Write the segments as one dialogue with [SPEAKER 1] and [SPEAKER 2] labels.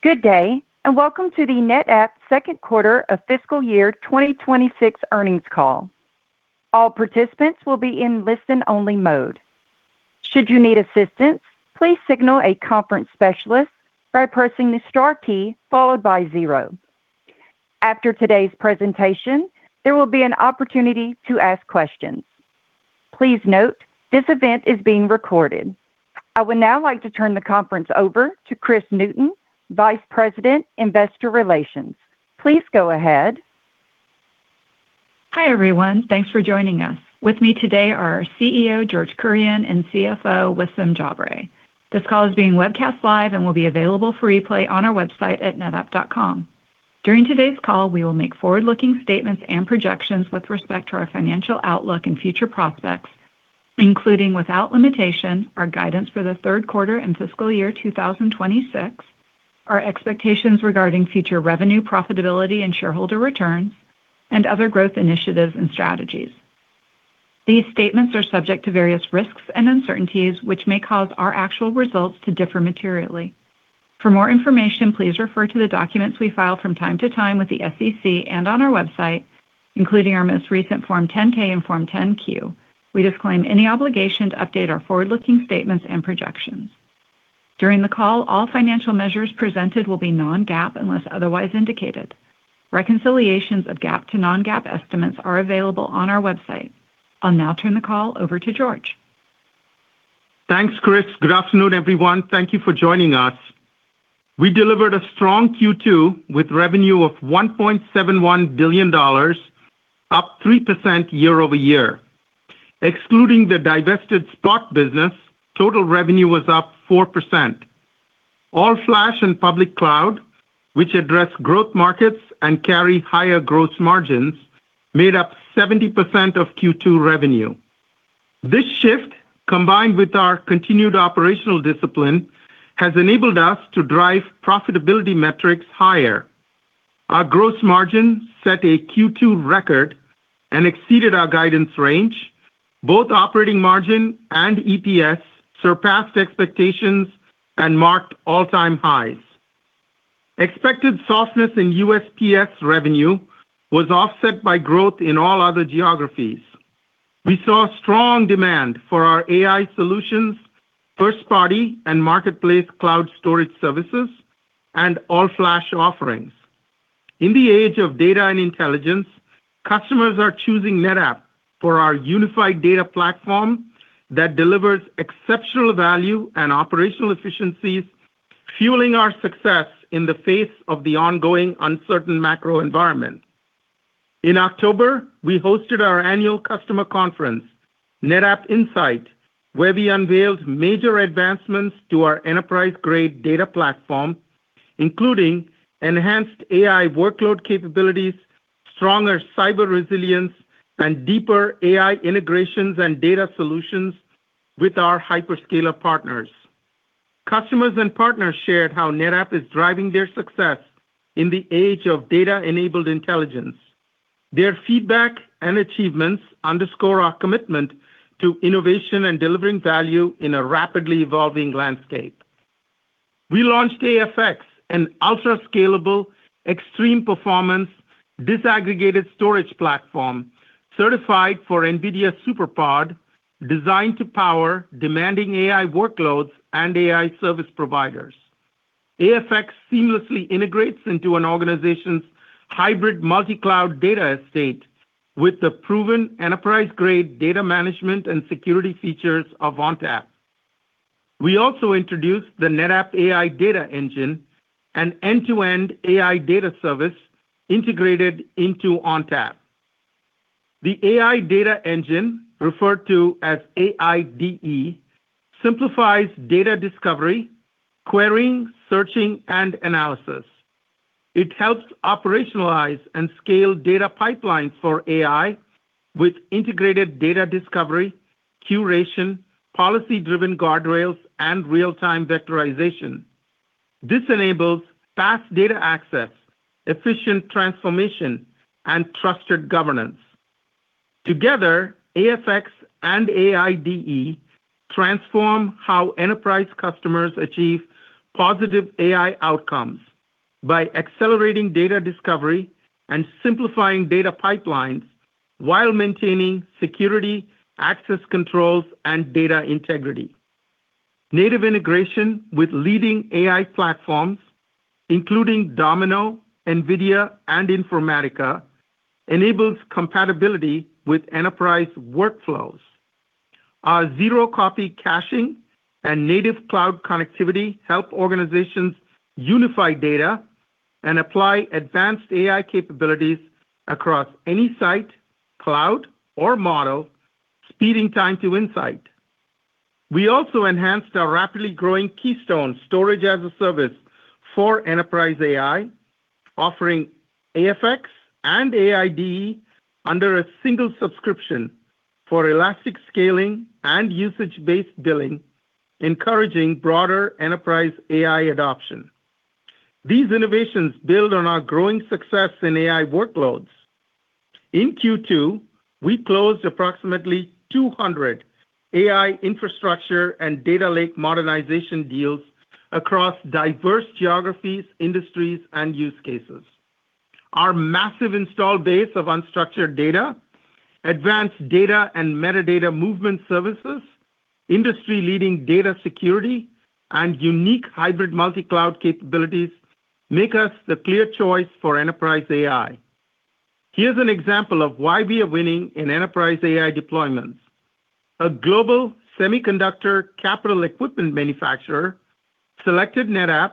[SPEAKER 1] Good day, and welcome to the NetApp second quarter of fiscal year 2026 earnings call. All participants will be in listen-only mode. Should you need assistance, please signal a conference specialist by pressing the star key followed by zero. After today's presentation, there will be an opportunity to ask questions. Please note, this event is being recorded. I would now like to turn the conference over to Kris Newton, Vice President, Investor Relations. Please go ahead.
[SPEAKER 2] Hi everyone, thanks for joining us. With me today are our CEO, George Kurian, and CFO, Wissam Jabre. This call is being webcast live and will be available for replay on our website at netapp.com. During today's call, we will make forward-looking statements and projections with respect to our financial outlook and future prospects, including without limitation, our guidance for the third quarter and fiscal year 2026, our expectations regarding future revenue, profitability, and shareholder returns, and other growth initiatives and strategies. These statements are subject to various risks and uncertainties, which may cause our actual results to differ materially. For more information, please refer to the documents we file from time to time with the SEC and on our website, including our most recent Form 10-K and Form 10-Q. We disclaim any obligation to update our forward-looking statements and projections. During the call, all financial measures presented will be non-GAAP unless otherwise indicated. Reconciliations of GAAP to non-GAAP estimates are available on our website. I'll now turn the call over to George.
[SPEAKER 3] Thanks, Kris. Good afternoon, everyone. Thank you for joining us. We delivered a strong Q2 with revenue of $1.71 billion, up 3% year-over-year. Excluding the divested Spot business, total revenue was up 4%. All flash and public cloud, which address growth markets and carry higher gross margins, made up 70% of Q2 revenue. This shift, combined with our continued operational discipline, has enabled us to drive profitability metrics higher. Our gross margin set a Q2 record and exceeded our guidance range. Both operating margin and EPS surpassed expectations and marked all-time highs. Expected softness in U.S. public sector revenue was offset by growth in all other geographies. We saw strong demand for our AI solutions, first-party and marketplace cloud storage services, and all-flash offerings. In the age of data and intelligence, customers are choosing NetApp for our unified data platform that delivers exceptional value and operational efficiencies, fueling our success in the face of the ongoing uncertain macro environment. In October, we hosted our annual customer conference, NetApp INSIGHT, where we unveiled major advancements to our enterprise-grade data platform, including enhanced AI workload capabilities, stronger cyber resilience, and deeper AI integrations and data solutions with our hyperscaler partners. Customers and partners shared how NetApp is driving their success in the age of data-enabled intelligence. Their feedback and achievements underscore our commitment to innovation and delivering value in a rapidly evolving landscape. We launched AFX, an ultra-scalable, extreme-performance, disaggregated storage platform certified for NVIDIA SuperPOD, designed to power demanding AI workloads and AI service providers. AFX seamlessly integrates into an organization's hybrid multi-cloud data estate with the proven enterprise-grade data management and security features of ONTAP. We also introduced the NetApp AI Data Engine, an end-to-end AI data service integrated into ONTAP. The AI Data Engine, referred to as AIDE, simplifies data discovery, querying, searching, and analysis. It helps operationalize and scale data pipelines for AI with integrated data discovery, curation, policy-driven guardrails, and real-time Vectorization. This enables fast data access, efficient transformation, and trusted governance. Together, AFX and AIDE transform how enterprise customers achieve positive AI outcomes by accelerating data discovery and simplifying data pipelines while maintaining security, access controls, and data integrity. Native integration with leading AI platforms, including Domino, NVIDIA, and Informatica, enables compatibility with enterprise workflows. Our zero-copy caching and native cloud connectivity help organizations unify data and apply advanced AI capabilities across any site, cloud, or model, speeding time to insight. We also enhanced our rapidly growing Keystone Storage-as-a-Service for enterprise AI, offering AFX and AIDE under a single subscription for elastic scaling and usage-based billing, encouraging broader enterprise AI adoption. These innovations build on our growing success in AI workloads. In Q2, we closed approximately 200 AI infrastructure and data lake modernization deals across diverse geographies, industries, and use cases. Our massive install base of unstructured data, advanced data and metadata movement services, industry-leading data security, and unique hybrid multi-cloud capabilities make us the clear choice for enterprise AI. Here is an example of why we are winning in enterprise AI deployments. A global semiconductor capital equipment manufacturer selected NetApp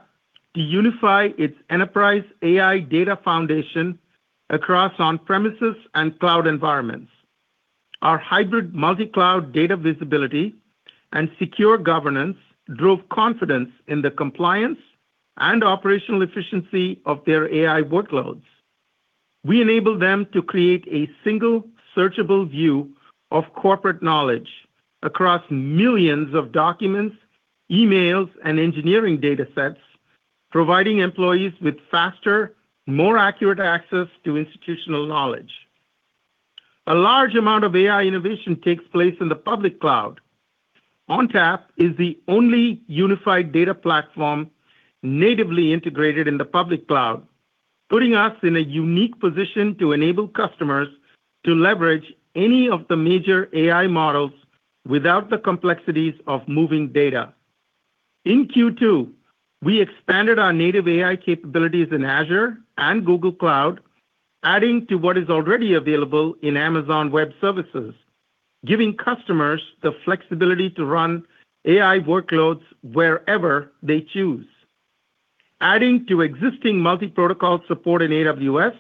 [SPEAKER 3] to unify its enterprise AI data foundation across on-premises and cloud environments. Our hybrid multi-cloud data visibility and secure governance drove confidence in the compliance and operational efficiency of their AI workloads. We enabled them to create a single searchable view of corporate knowledge across millions of documents, emails, and engineering data sets, providing employees with faster, more accurate access to institutional knowledge. A large amount of AI innovation takes place in the public cloud. ONTAP is the only unified data platform natively integrated in the public cloud, putting us in a unique position to enable customers to leverage any of the major AI models without the complexities of moving data. In Q2, we expanded our native AI capabilities in Azure and Google Cloud, adding to what is already available in Amazon Web Services, giving customers the flexibility to run AI workloads wherever they choose. Adding to existing multi-protocol support in AWS,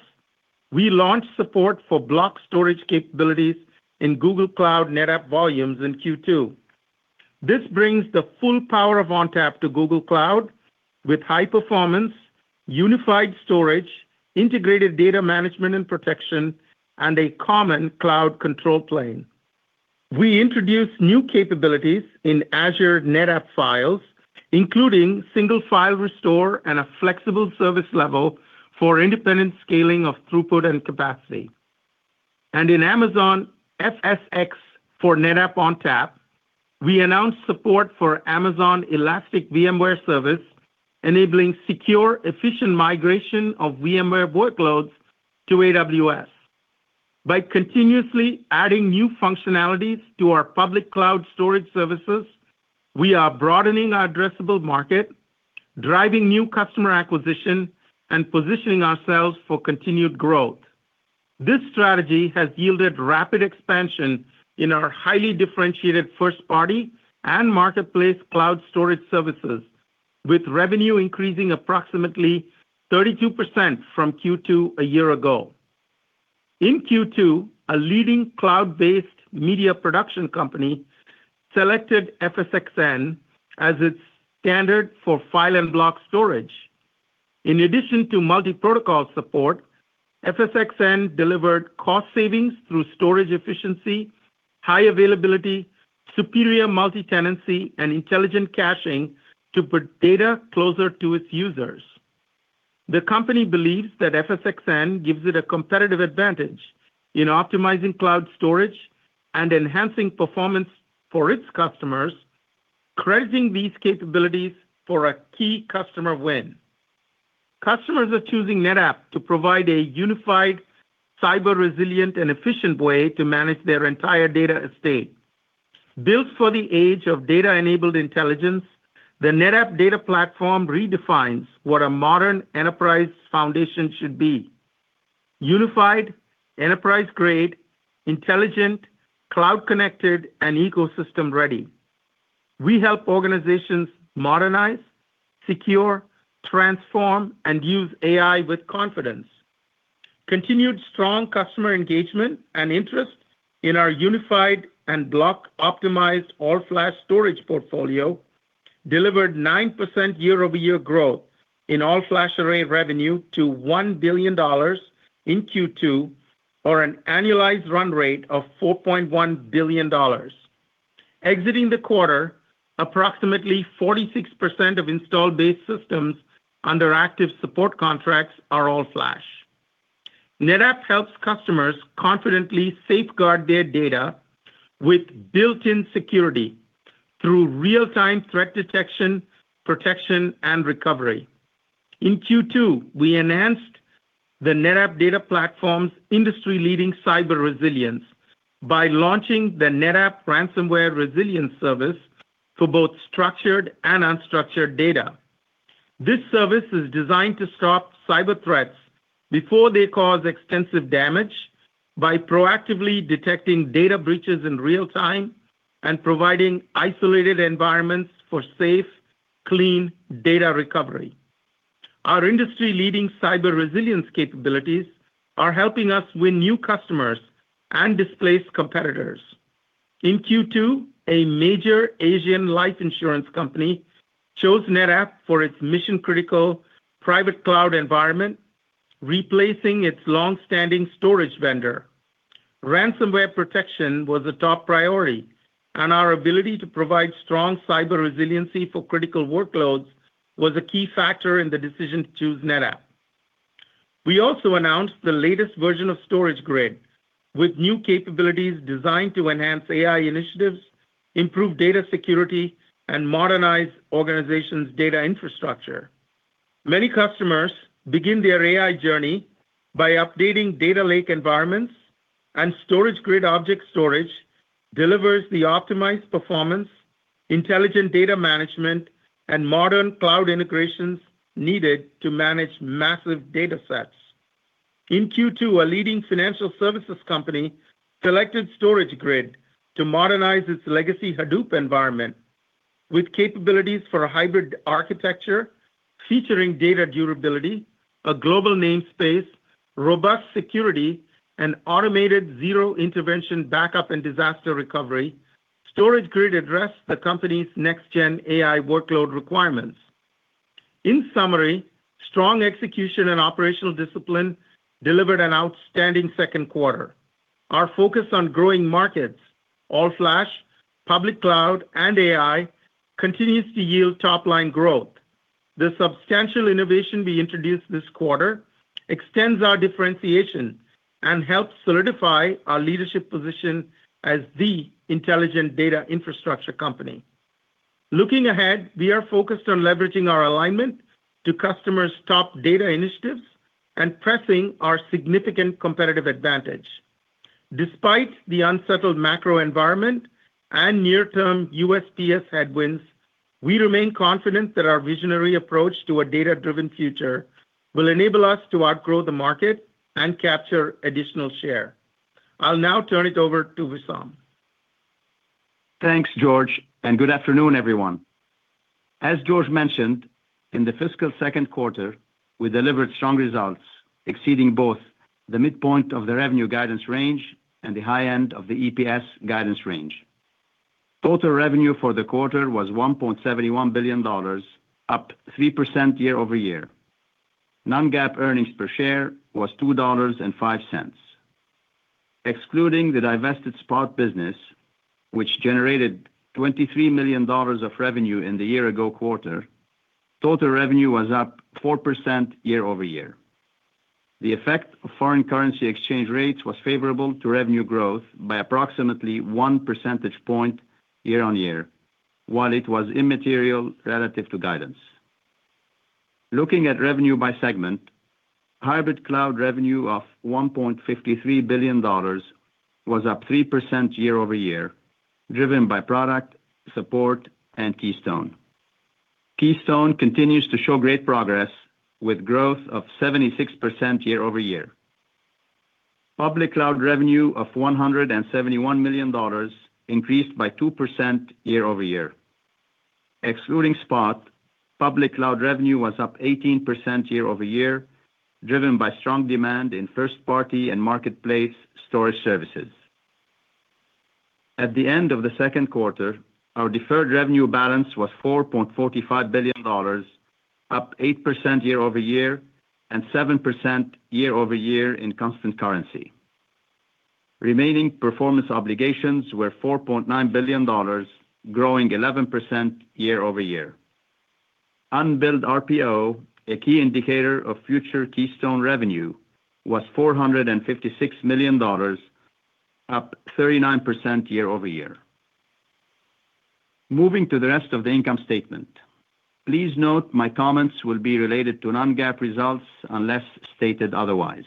[SPEAKER 3] we launched support for block storage capabilities in Google Cloud NetApp Volumes in Q2. This brings the full power of ONTAP to Google Cloud with high performance, unified storage, integrated data management and protection, and a common cloud control plane. We introduced new capabilities in Azure NetApp Files, including single file restore and a flexible service level for independent scaling of throughput and capacity. In Amazon FSx for NetApp ONTAP, we announced support for Amazon Elastic VMware Service, enabling secure, efficient migration of VMware workloads to AWS. By continuously adding new functionalities to our public cloud storage services, we are broadening our addressable market, driving new customer acquisition, and positioning ourselves for continued growth. This strategy has yielded rapid expansion in our highly differentiated first-party and marketplace cloud storage services, with revenue increasing approximately 32% from Q2 a year ago. In Q2, a leading cloud-based media production company selected FSxN as its standard for file and block storage. In addition to multi-protocol support, FSxN delivered cost savings through storage efficiency, high availability, superior multi-tenancy, and intelligent caching to put data closer to its users. The company believes that FSxN gives it a competitive advantage in optimizing cloud storage and enhancing performance for its customers, crediting these capabilities for a key customer win. Customers are choosing NetApp to provide a unified, cyber-resilient, and efficient way to manage their entire data estate. Built for the age of data-enabled intelligence, the NetApp data platform redefines what a modern enterprise foundation should be: unified, enterprise-grade, intelligent, cloud-connected, and ecosystem-ready. We help organizations modernize, secure, transform, and use AI with confidence. Continued strong customer engagement and interest in our unified and block-optimized all-flash storage portfolio delivered 9% year-over-year growth in all-flash array revenue to $1 billion in Q2, or an annualized run rate of $4.1 billion. Exiting the quarter, approximately 46% of install-based systems under active support contracts are all-flash. NetApp helps customers confidently safeguard their data with built-in security through real-time threat detection, protection, and recovery. In Q2, we enhanced the NetApp data platform's industry-leading cyber resilience by launching the NetApp Ransomware Resilience Service for both structured and unstructured data. This service is designed to stop cyber threats before they cause extensive damage by proactively detecting data breaches in real time and providing isolated environments for safe, clean data recovery. Our industry-leading cyber resilience capabilities are helping us win new customers and displace competitors. In Q2, a major Asian life insurance company chose NetApp for its mission-critical private cloud environment, replacing its long-standing storage vendor. Ransomware protection was a top priority, and our ability to provide strong cyber resiliency for critical workloads was a key factor in the decision to choose NetApp. We also announced the latest version of StorageGRID, with new capabilities designed to enhance AI initiatives, improve data security, and modernize organizations' data infrastructure. Many customers begin their AI journey by updating data lake environments, and StorageGRID object storage delivers the optimized performance, intelligent data management, and modern cloud integrations needed to manage massive data sets. In Q2, a leading financial services company selected StorageGRID to modernize its legacy Hadoop environment with capabilities for a hybrid architecture featuring data durability, a global namespace, robust security, and automated zero-intervention backup and disaster recovery. StorageGRID addressed the company's next-gen AI workload requirements. In summary, strong execution and operational discipline delivered an outstanding second quarter. Our focus on growing markets, all-flash, public cloud, and AI continues to yield top-line growth. The substantial innovation we introduced this quarter extends our differentiation and helps solidify our leadership position as the intelligent data infrastructure company. Looking ahead, we are focused on leveraging our alignment to customers' top data initiatives and pressing our significant competitive advantage. Despite the unsettled macro environment and near-term U.S. public sector headwinds, we remain confident that our visionary approach to a data-driven future will enable us to outgrow the market and capture additional share. I'll now turn it over to Wissam.
[SPEAKER 4] Thanks, George, and good afternoon, everyone. As George mentioned, in the fiscal second quarter, we delivered strong results, exceeding both the midpoint of the revenue guidance range and the high end of the EPS guidance range. Total revenue for the quarter was $1.71 billion, up 3% year-over-year. Non-GAAP earnings per share was $2.05. Excluding the divested Spot business, which generated $23 million of revenue in the year-ago quarter, total revenue was up 4% year-over-year. The effect of foreign currency exchange rates was favorable to revenue growth by approximately one percentage point year-on-year, while it was immaterial relative to guidance. Looking at revenue by segment, hybrid cloud revenue of $1.53 billion was up 3% year-over-year, driven by product, support, and Keystone. Keystone continues to show great progress with growth of 76% year-over-year. Public cloud revenue of $171 million increased by 2% year-over-year. Excluding spot, public cloud revenue was up 18% year-over-year, driven by strong demand in first-party and marketplace storage services. At the end of the second quarter, our deferred revenue balance was $4.45 billion, up 8% year-over-year and 7% year-over-year in constant currency. Remaining performance obligations were $4.9 billion, growing 11% year-over-year. Unbilled RPO, a key indicator of future Keystone revenue, was $456 million, up 39% year-over-year. Moving to the rest of the income statement, please note my comments will be related to Non-GAAP results unless stated otherwise.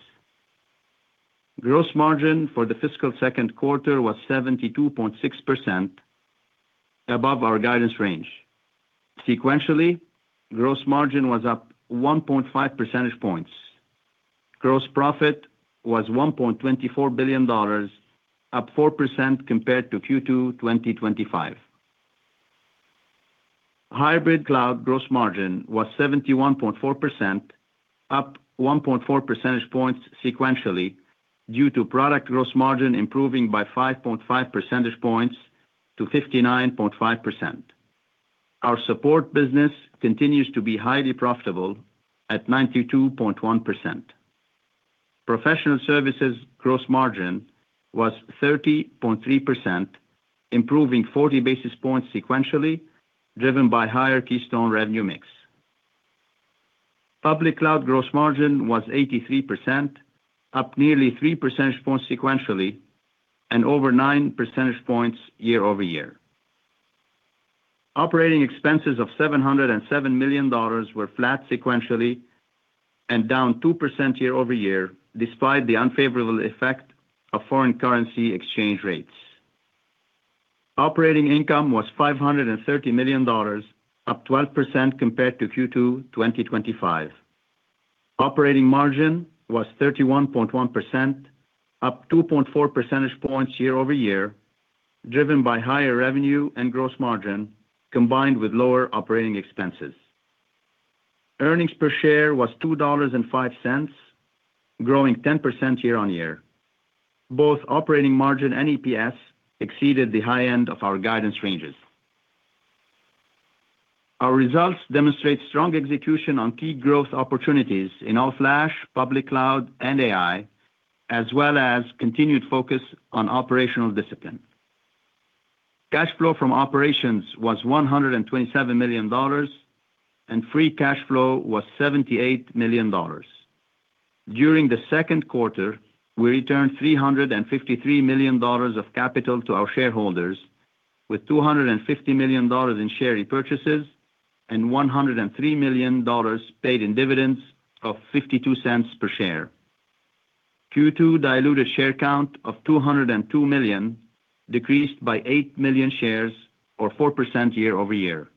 [SPEAKER 4] Gross margin for the fiscal second quarter was 72.6%, above our guidance range. Sequentially, gross margin was up 1.5 percentage points. Gross profit was $1.24 billion, up 4% compared to Q2 2025. Hybrid cloud gross margin was 71.4%, up 1.4 percentage points sequentially due to product gross margin improving by 5.5 percentage points to 59.5%. Our support business continues to be highly profitable at 92.1%. Professional services gross margin was 30.3%, improving 40 basis points sequentially, driven by higher Keystone revenue mix. Public cloud gross margin was 83%, up nearly 3 percentage points sequentially and over 9 percentage points year-over-year. Operating expenses of $707 million were flat sequentially and down 2% year-over-year, despite the unfavorable effect of foreign currency exchange rates. Operating income was $530 million, up 12% compared to Q2 2025. Operating margin was 31.1%, up 2.4 percentage points year-over-year, driven by higher revenue and gross margin combined with lower operating expenses. Earnings per share was $2.05, growing 10% year-on-year. Both operating margin and EPS exceeded the high end of our guidance ranges. Our results demonstrate strong execution on key growth opportunities in all-flash, public cloud, and AI, as well as continued focus on operational discipline. Cash flow from operations was $127 million, and free cash flow was $78 million. During the second quarter, we returned $353 million of capital to our shareholders, with $250 million in share repurchases and $103 million paid in dividends of $0.52 per share. Q2 diluted share count of 202 million decreased by 8 million shares, or 4% year-over-year.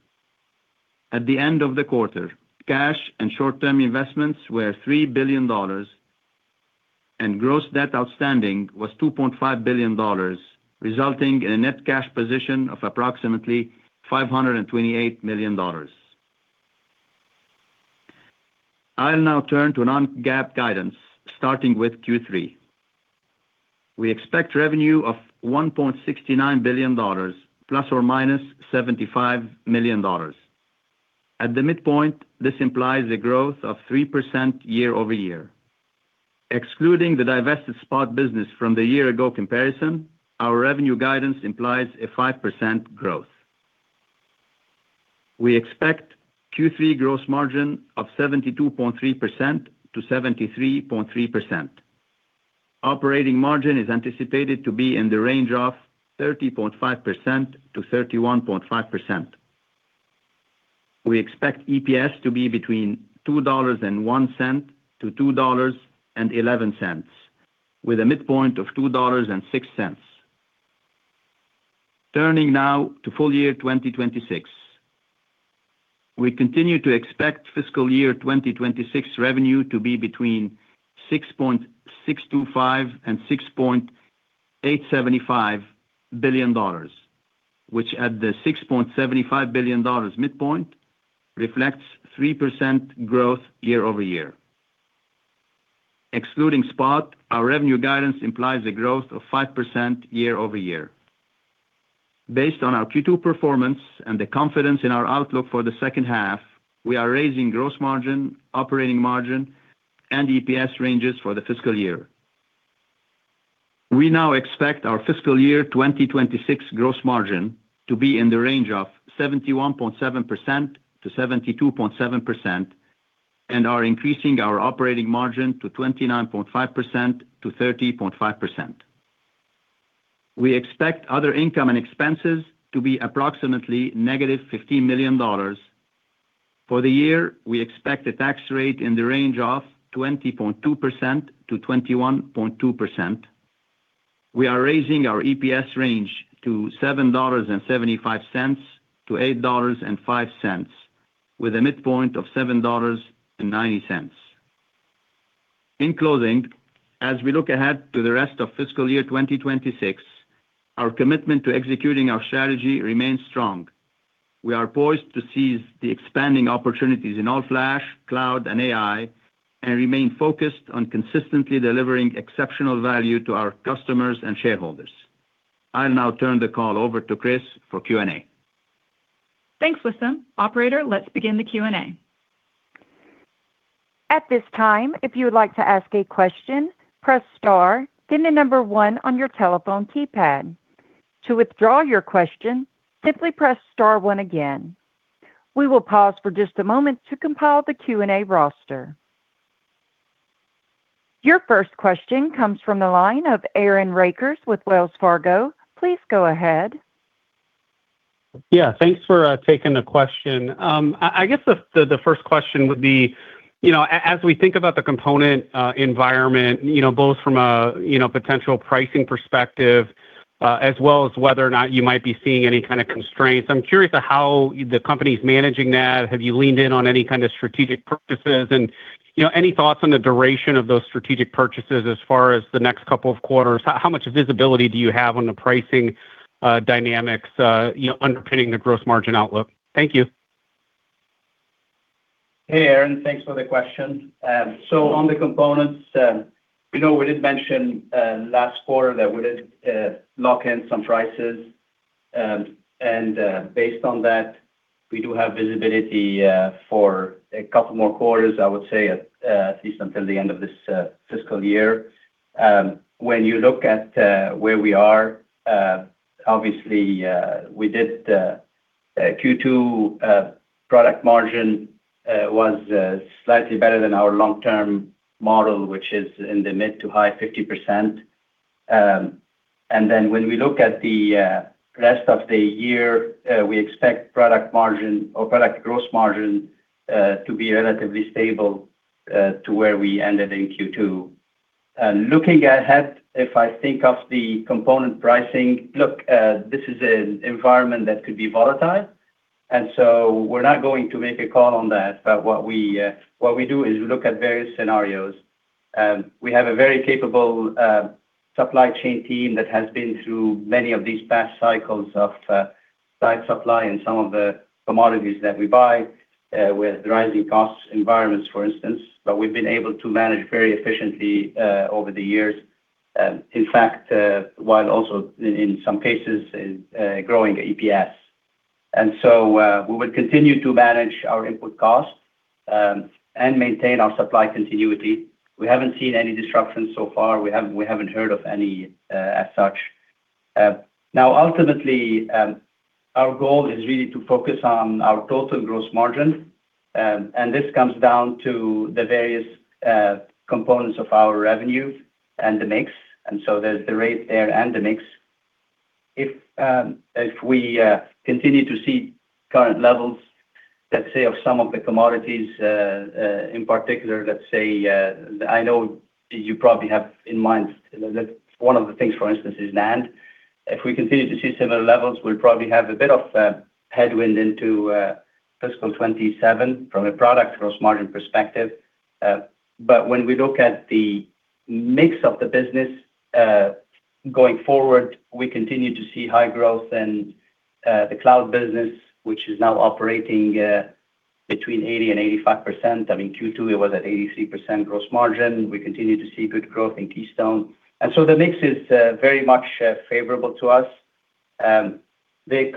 [SPEAKER 4] At the end of the quarter, cash and short-term investments were $3 billion, and gross debt outstanding was $2.5 billion, resulting in a net cash position of approximately $528 million. I'll now turn to Non-GAAP guidance, starting with Q3. We expect revenue of $1.69 billion, plus or minus $75 million. At the midpoint, this implies a growth of 3% year-over-year. Excluding the divested spot business from the year-ago comparison, our revenue guidance implies a 5% growth. We expect Q3 gross margin of 72.3%-73.3%. Operating margin is anticipated to be in the range of 30.5%-31.5%. We expect EPS to be between $2.01-$2.11, with a midpoint of $2.06. Turning now to full year 2026, we continue to expect fiscal year 2026 revenue to be between $6.625 billion and $6.875 billion, which at the $6.75 billion midpoint reflects 3% growth year-over-year. Excluding spot, our revenue guidance implies a growth of 5% year-over-year. Based on our Q2 performance and the confidence in our outlook for the second half, we are raising gross margin, operating margin, and EPS ranges for the fiscal year. We now expect our fiscal year 2026 gross margin to be in the range of 71.7%-72.7% and are increasing our operating margin to 29.5%-30.5%. We expect other income and expenses to be approximately negative $15 million. For the year, we expect a tax rate in the range of 20.2%-21.2%. We are raising our EPS range to $7.75-$8.05, with a midpoint of $7.90. In closing, as we look ahead to the rest of fiscal year 2026, our commitment to executing our strategy remains strong. We are poised to seize the expanding opportunities in all-flash, cloud, and AI and remain focused on consistently delivering exceptional value to our customers and shareholders. I'll now turn the call over to Kris for Q&A.
[SPEAKER 2] Thanks, Wissam. Operator, let's begin the Q&A.
[SPEAKER 1] At this time, if you would like to ask a question, press star, then the number one on your telephone keypad. To withdraw your question, simply press star one again. We will pause for just a moment to compile the Q&A roster. Your first question comes from the line of Aaron Rakers with Wells Fargo.
[SPEAKER 5] Please go ahead. Yeah, thanks for taking the question. I guess the first question would be, as we think about the component environment, both from a potential pricing perspective as well as whether or not you might be seeing any kind of constraints, I'm curious how the company's managing that. Have you leaned in on any kind of strategic purchases and any thoughts on the duration of those strategic purchases as far as the next couple of quarters? How much visibility do you have on the pricing dynamics underpinning the gross margin outlook? Thank you.
[SPEAKER 4] Hey, Aaron, thanks for the question. On the components, we did mention last quarter that we did lock in some prices. Based on that, we do have visibility for a couple more quarters, I would say, at least until the end of this fiscal year. When you look at where we are, obviously, we did Q2 product margin was slightly better than our long-term model, which is in the mid to high 50%. Then when we look at the rest of the year, we expect product margin or product gross margin to be relatively stable to where we ended in Q2. Looking ahead, if I think of the component pricing, look, this is an environment that could be volatile. We are not going to make a call on that. What we do is we look at various scenarios. We have a very capable supply chain team that has been through many of these past cycles of tight supply and some of the commodities that we buy with rising cost environments, for instance. We have been able to manage very efficiently over the years, in fact, while also in some cases growing EPS. We would continue to manage our input cost and maintain our supply continuity. We have not seen any disruptions so far. We have not heard of any as such. Ultimately, our goal is really to focus on our total gross margin. This comes down to the various components of our revenue and the mix. There is the rate there and the mix. If we continue to see current levels, let's say, of some of the commodities, in particular, I know you probably have in mind one of the things, for instance, is NAND. If we continue to see similar levels, we will probably have a bit of headwind into fiscal 2027 from a product gross margin perspective. When we look at the mix of the business going forward, we continue to see high growth in the cloud business, which is now operating between 80-85%. I mean, Q2, it was at 83% gross margin. We continue to see good growth in Keystone. The mix is very much favorable to us. The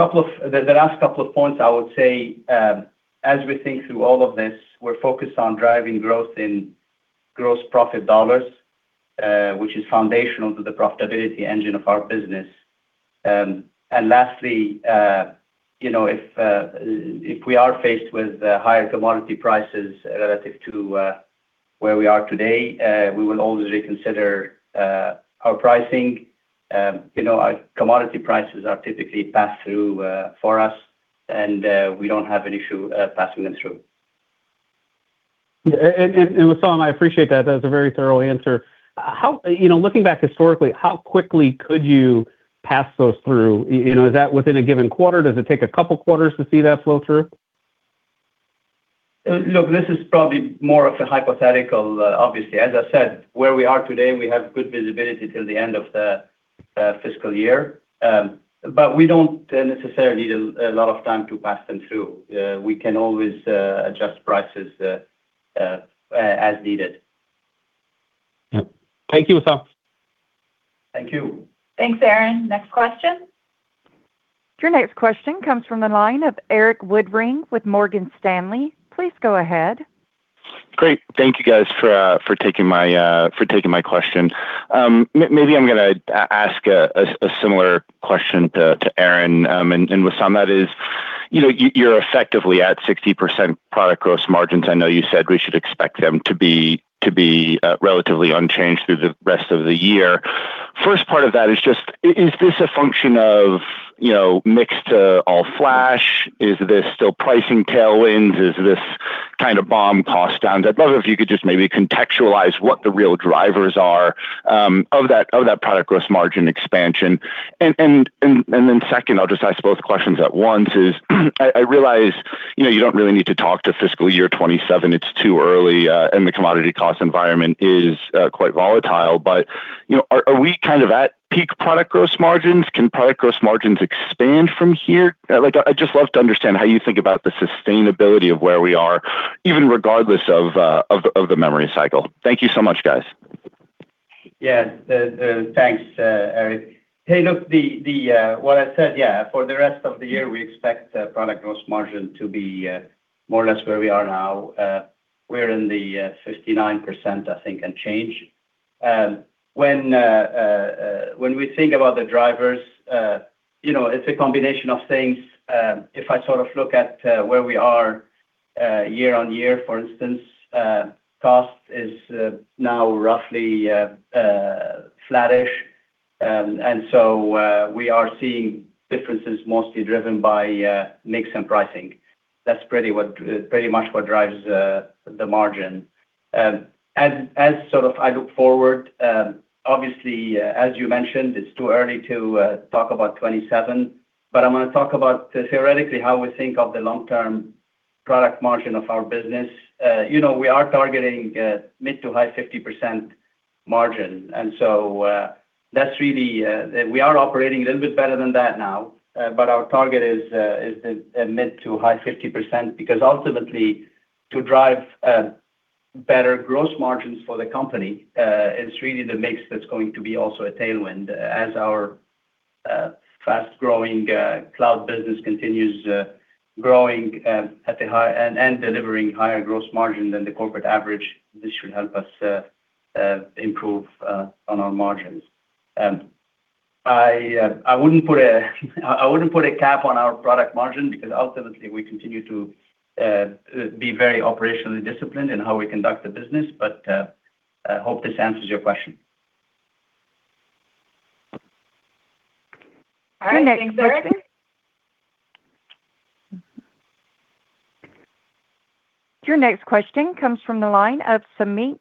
[SPEAKER 4] last couple of points, I would say, as we think through all of this, we're focused on driving growth in gross profit dollars, which is foundational to the profitability engine of our business. Lastly, if we are faced with higher commodity prices relative to where we are today, we will always reconsider our pricing. Commodity prices are typically passed through for us, and we do not have an issue passing them through.
[SPEAKER 5] Yeah. Wissam, I appreciate that. That was a very thorough answer. Looking back historically, how quickly could you pass those through? Is that within a given quarter? Does it take a couple of quarters to see that flow through?
[SPEAKER 4] Look, this is probably more of a hypothetical, obviously. As I said, where we are today, we have good visibility till the end of the fiscal year. We do not necessarily need a lot of time to pass them through. We can always adjust prices as needed.
[SPEAKER 5] Thank you, Wissam.
[SPEAKER 4] Thank you.
[SPEAKER 2] Thanks, Aaron. Next question.
[SPEAKER 1] Your next question comes from the line of Erik Woodring with Morgan Stanley. Please go ahead.
[SPEAKER 6] Great. Thank you, guys, for taking my question. Maybe I am going to ask a similar question to Aaron and Wissam. That is, you are effectively at 60% product gross margins. I know you said we should expect them to be relatively unchanged through the rest of the year. First part of that is just, is this a function of mix to all-flash? Is this still pricing tailwinds? Is this kind of bomb cost down? I'd love if you could just maybe contextualize what the real drivers are of that product gross margin expansion. Second, I'll just ask both questions at once. I realize you don't really need to talk to fiscal year 2027. It's too early, and the commodity cost environment is quite volatile. Are we kind of at peak product gross margins? Can product gross margins expand from here? I'd just love to understand how you think about the sustainability of where we are, even regardless of the memory cycle. Thank you so much, guys.
[SPEAKER 4] Yeah. Thanks, Eric. Hey, look, what I said, for the rest of the year, we expect product gross margin to be more or less where we are now. We're in the 59%, I think, and change. When we think about the drivers, it's a combination of things. If I sort of look at where we are year-on-year, for instance, cost is now roughly flattish. We are seeing differences mostly driven by mix and pricing. That's pretty much what drives the margin. As I look forward, obviously, as you mentioned, it's too early to talk about 2027. I'm going to talk about theoretically how we think of the long-term product margin of our business. We are targeting mid to high 50% margin. That's really we are operating a little bit better than that now. Our target is the mid to high 50% because ultimately, to drive better gross margins for the company, it's really the mix that's going to be also a tailwind. As our fast-growing cloud business continues growing at the high and delivering higher gross margin than the corporate average, this should help us improve on our margins. I would not put a cap on our product margin because ultimately, we continue to be very operationally disciplined in how we conduct the business. I hope this answers your question.
[SPEAKER 2] All right. Thanks, Eric.
[SPEAKER 1] Your next question comes from the line of Samit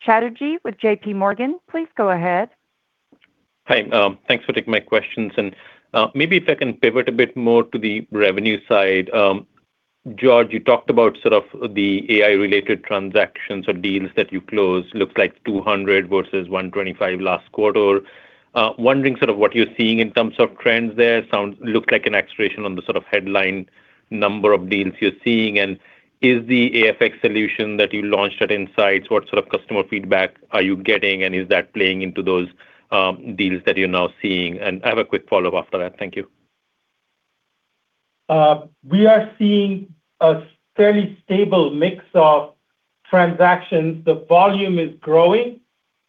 [SPEAKER 1] Chatterjee with JP Morgan. Please go ahead.
[SPEAKER 7] Hi. Thanks for taking my questions. Maybe if I can pivot a bit more to the revenue side. George, you talked about sort of the AI-related transactions or deals that you closed. Looks like 200 versus 125 last quarter. Wondering sort of what you are seeing in terms of trends there. Looks like an acceleration on the sort of headline number of deals you are seeing. Is the AFX solution that you launched at Insights, what sort of customer feedback are you getting? Is that playing into those deals that you're now seeing? I have a quick follow-up after that. Thank you.
[SPEAKER 3] We are seeing a fairly stable mix of transactions. The volume is growing.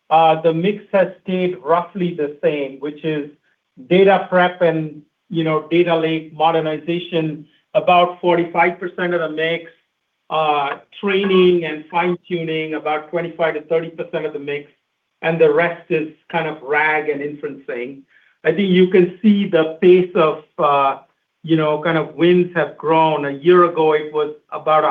[SPEAKER 3] The mix has stayed roughly the same, which is data prep and data lake modernization, about 45% of the mix, training and fine-tuning, about 25-30% of the mix. The rest is kind of RAG and inferencing. I think you can see the pace of kind of wins have grown. A year ago, it was about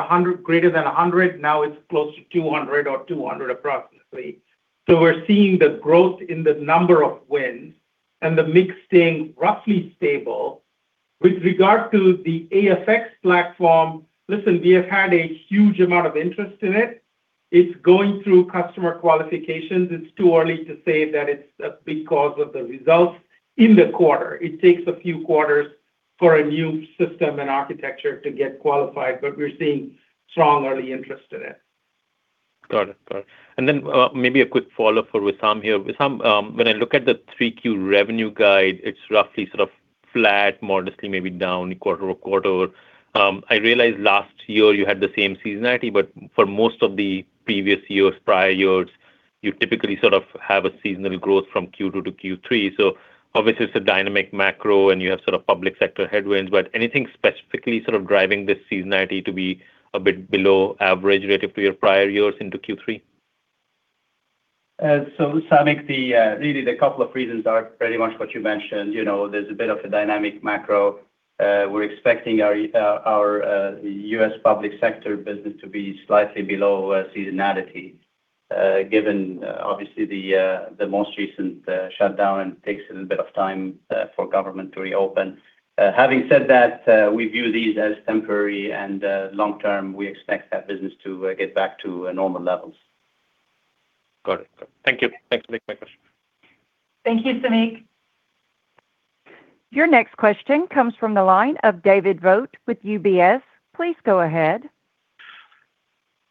[SPEAKER 3] greater than 100. Now it's close to 200 or 200 approximately. We are seeing the growth in the number of wins and the mix staying roughly stable. With regard to the AFX platform, listen, we have had a huge amount of interest in it. It's going through customer qualifications. It's too early to say that it's a big cause of the results in the quarter. It takes a few quarters for a new system and architecture to get qualified, but we're seeing strong early interest in it.
[SPEAKER 7] Got it. Got it. Maybe a quick follow-up for Wissam here. Wissam, when I look at the three-Q revenue guide, it's roughly sort of flat, modestly maybe down quarter-over-quarter. I realized last year you had the same seasonality, but for most of the previous years, prior years, you typically sort of have a seasonal growth from Q2 to Q3. Obviously, it's a dynamic macro, and you have sort of public sector headwinds.
[SPEAKER 3] Anything specifically sort of driving this seasonality to be a bit below average relative to your prior years into Q3?
[SPEAKER 4] Wissam, really, the couple of reasons are pretty much what you mentioned. There is a bit of a dynamic macro. We are expecting our U.S. public sector business to be slightly below seasonality given, obviously, the most recent shutdown, and it takes a little bit of time for government to reopen. Having said that, we view these as temporary, and long-term, we expect that business to get back to normal levels.
[SPEAKER 7] Got it. Got it. Thank you. Thanks for taking my question.
[SPEAKER 2] Thank you, Samit.
[SPEAKER 1] Your next question comes from the line of David Vogt with UBS. Please go ahead.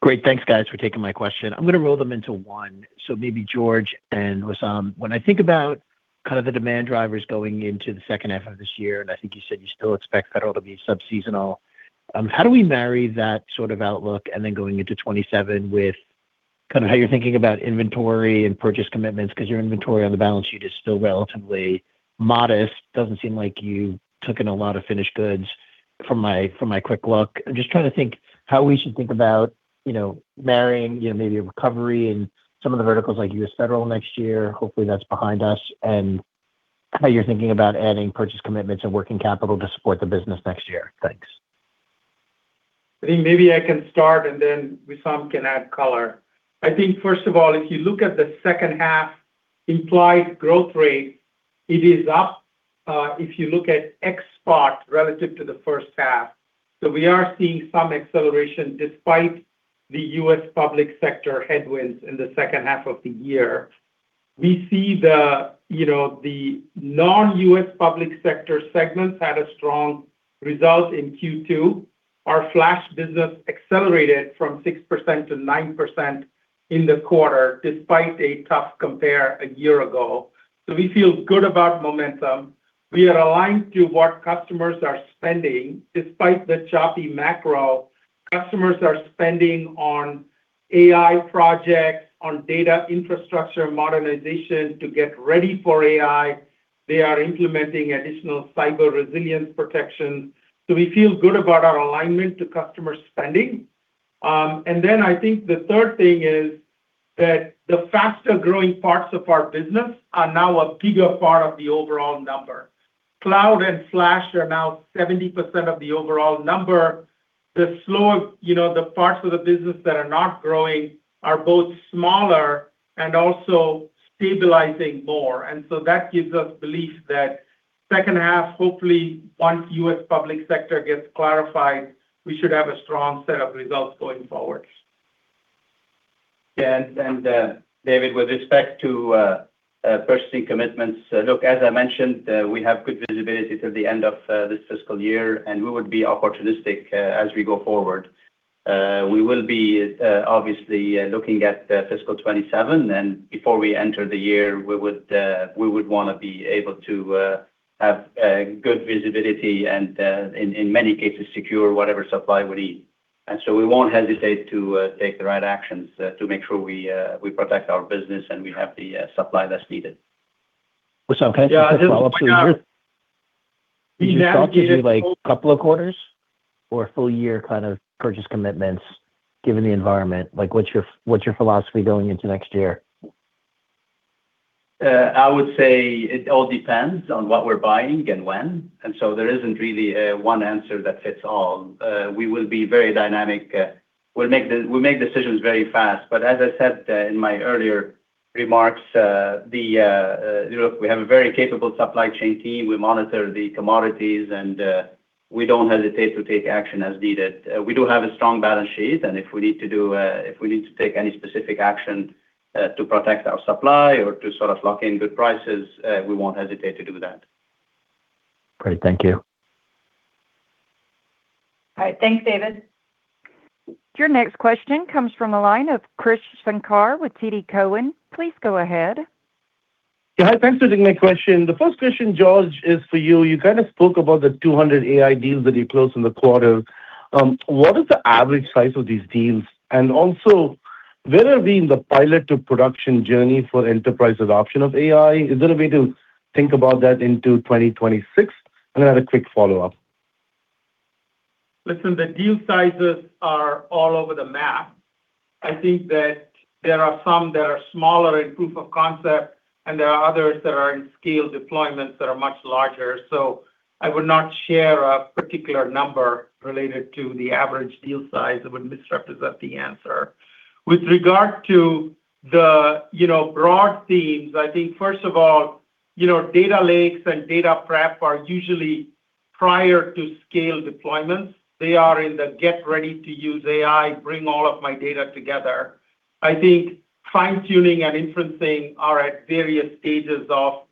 [SPEAKER 8] Great. Thanks, guys, for taking my question. I am going to roll them into one. Maybe George and Wissam, when I think about kind of the demand drivers going into the second half of this year, and I think you said you still expect federal to be subseasonal, how do we marry that sort of outlook and then going into 2027 with kind of how you're thinking about inventory and purchase commitments? Because your inventory on the balance sheet is still relatively modest. Doesn't seem like you took in a lot of finished goods from my quick look. I'm just trying to think how we should think about marrying maybe a recovery in some of the verticals like U.S. federal next year. Hopefully, that's behind us. And how you're thinking about adding purchase commitments and working capital to support the business next year. Thanks.
[SPEAKER 3] I think maybe I can start, and then Wissam can add color. I think, first of all, if you look at the second half implied growth rate, it is up if you look at export relative to the first half. We are seeing some acceleration despite the U.S. public sector headwinds in the second half of the year. We see the non-U.S. public sector segments had a strong result in Q2. Our flash business accelerated from 6% to 9% in the quarter despite a tough compare a year ago. We feel good about momentum. We are aligned to what customers are spending. Despite the choppy macro, customers are spending on AI projects, on data infrastructure modernization to get ready for AI. They are implementing additional cyber resilience protection. We feel good about our alignment to customer spending. I think the third thing is that the faster growing parts of our business are now a bigger part of the overall number. Cloud and flash are now 70% of the overall number. The slower parts of the business that are not growing are both smaller and also stabilizing more. That gives us belief that second half, hopefully, once U.S. public sector gets clarified, we should have a strong set of results going forward.
[SPEAKER 4] Yeah. David, with respect to purchasing commitments, as I mentioned, we have good visibility till the end of this fiscal year, and we would be opportunistic as we go forward. We will be obviously looking at fiscal 2027. Before we enter the year, we would want to be able to have good visibility and, in many cases, secure whatever supply we need. We will not hesitate to take the right actions to make sure we protect our business and we have the supply that's needed.
[SPEAKER 8] Wissam, can I take a quick follow-up to you? Yeah. Is this a couple of quarters or a full year kind of purchase commitments given the environment? What's your philosophy going into next year?
[SPEAKER 4] I would say it all depends on what we're buying and when. There isn't really one answer that fits all. We will be very dynamic. We'll make decisions very fast. As I said in my earlier remarks, look, we have a very capable supply chain team. We monitor the commodities, and we don't hesitate to take action as needed. We do have a strong balance sheet. If we need to take any specific action to protect our supply or to sort of lock in good prices, we will not hesitate to do that.
[SPEAKER 8] Great. Thank you.
[SPEAKER 2] All right. Thanks, David.
[SPEAKER 1] Your next question comes from the line of Krish Sankar with TD Cowen. Please go ahead.
[SPEAKER 9] Yeah. Hi. Thanks for taking my question. The first question, George, is for you. You kind of spoke about the 200 AI deals that you closed in the quarter. What is the average size of these deals? Also, where are we in the pilot-to-production journey for enterprise adoption of AI? Is there a way to think about that into 2026? I have a quick follow-up.
[SPEAKER 3] Listen, the deal sizes are all over the map. I think that there are some that are smaller in proof of concept, and there are others that are in scale deployments that are much larger. I would not share a particular number related to the average deal size. It would misrepresent the answer. With regard to the broad themes, I think, first of all, data lakes and data prep are usually prior to scale deployments. They are in the get ready to use AI, bring all of my data together. I think fine-tuning and inferencing are at various stages of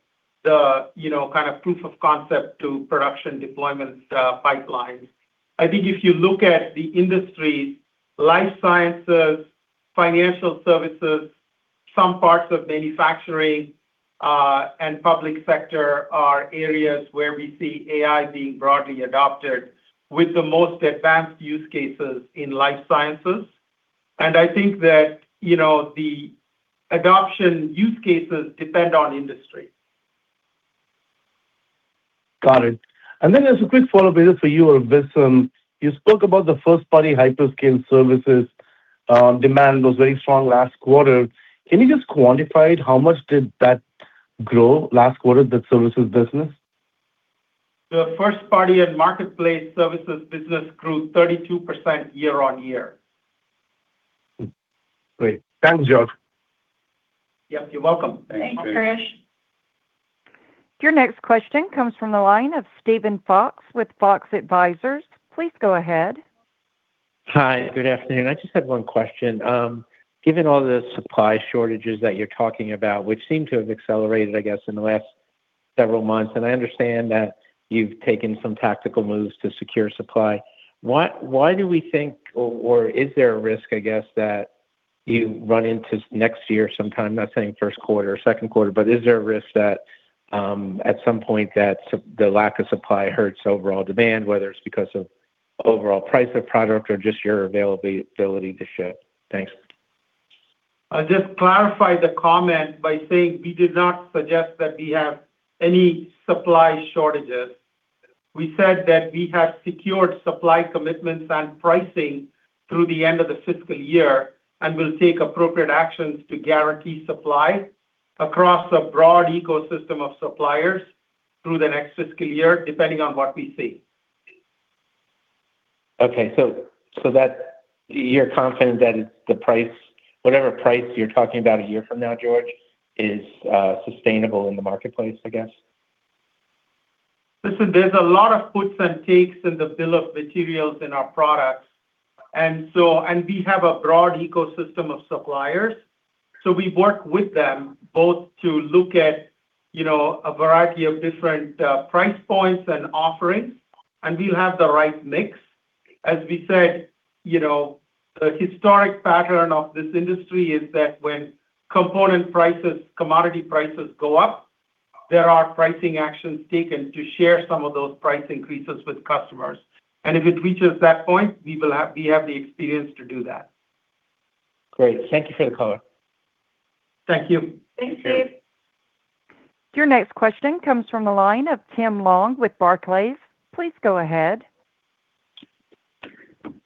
[SPEAKER 3] the kind of proof of concept to production deployment pipelines. If you look at the industries, life sciences, financial services, some parts of manufacturing, and public sector are areas where we see AI being broadly adopted with the most advanced use cases in life sciences. I think that the adoption use cases depend on industry.
[SPEAKER 9] Got it. And then there's a quick follow-up for you, Wissam. You spoke about the first-party hyperscale services demand was very strong last quarter. Can you just quantify it? How much did that grow last quarter, that services business?
[SPEAKER 3] The first-party and marketplace services business grew 32% year-on-year.
[SPEAKER 9] Great. Thanks, George.
[SPEAKER 3] Yep. You're welcome. Thanks.
[SPEAKER 2] Thanks, Chris.
[SPEAKER 1] Your next question comes from the line of Steven Fox with Fox Advisors. Please go ahead.
[SPEAKER 10] Hi. Good afternoon. I just had one question. Given all the supply shortages that you're talking about, which seem to have accelerated, I guess, in the last several months, and I understand that you've taken some tactical moves to secure supply, why do we think, or is there a risk, I guess, that you run into next year sometime? I'm not saying first quarter or second quarter, but is there a risk that at some point that the lack of supply hurts overall demand, whether it's because of overall price of product or just your availability to ship? Thanks.
[SPEAKER 3] I'll just clarify the comment by saying we did not suggest that we have any supply shortages. We said that we have secured supply commitments and pricing through the end of the fiscal year and will take appropriate actions to guarantee supply across a broad ecosystem of suppliers through the next fiscal year, depending on what we see.
[SPEAKER 10] Okay. So you're confident that whatever price you're talking about a year from now, George, is sustainable in the marketplace, I guess?
[SPEAKER 3] Listen, there's a lot of puts and takes in the bill of materials in our products. And we have a broad ecosystem of suppliers. We work with them both to look at a variety of different price points and offerings, and we'll have the right mix. As we said, the historic pattern of this industry is that when component prices, commodity prices go up, there are pricing actions taken to share some of those price increases with customers. If it reaches that point, we have the experience to do that.
[SPEAKER 10] Great. Thank you for the color.
[SPEAKER 3] Thank you.
[SPEAKER 2] Thank you.
[SPEAKER 1] Your next question comes from the line of Tim Long with Barclays. Please go ahead.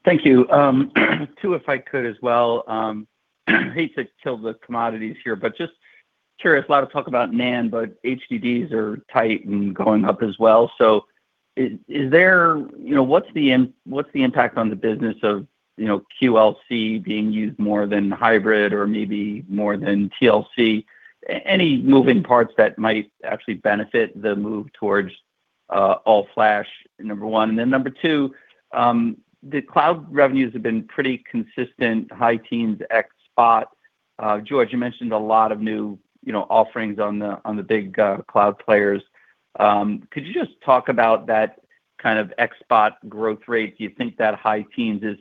[SPEAKER 11] Thank you. Two, if I could as well. Hate to kill the commodities here, but just curious. A lot of talk about NAND, but HDDs are tight and going up as well. What's the impact on the business of QLC being used more than hybrid or maybe more than TLC? Any moving parts that might actually benefit the move towards all-flash, number one? Number two, the cloud revenues have been pretty consistent, high teens, ex spot. George, you mentioned a lot of new offerings on the big cloud players. Could you just talk about that kind of ex spot growth rate? Do you think that high teens is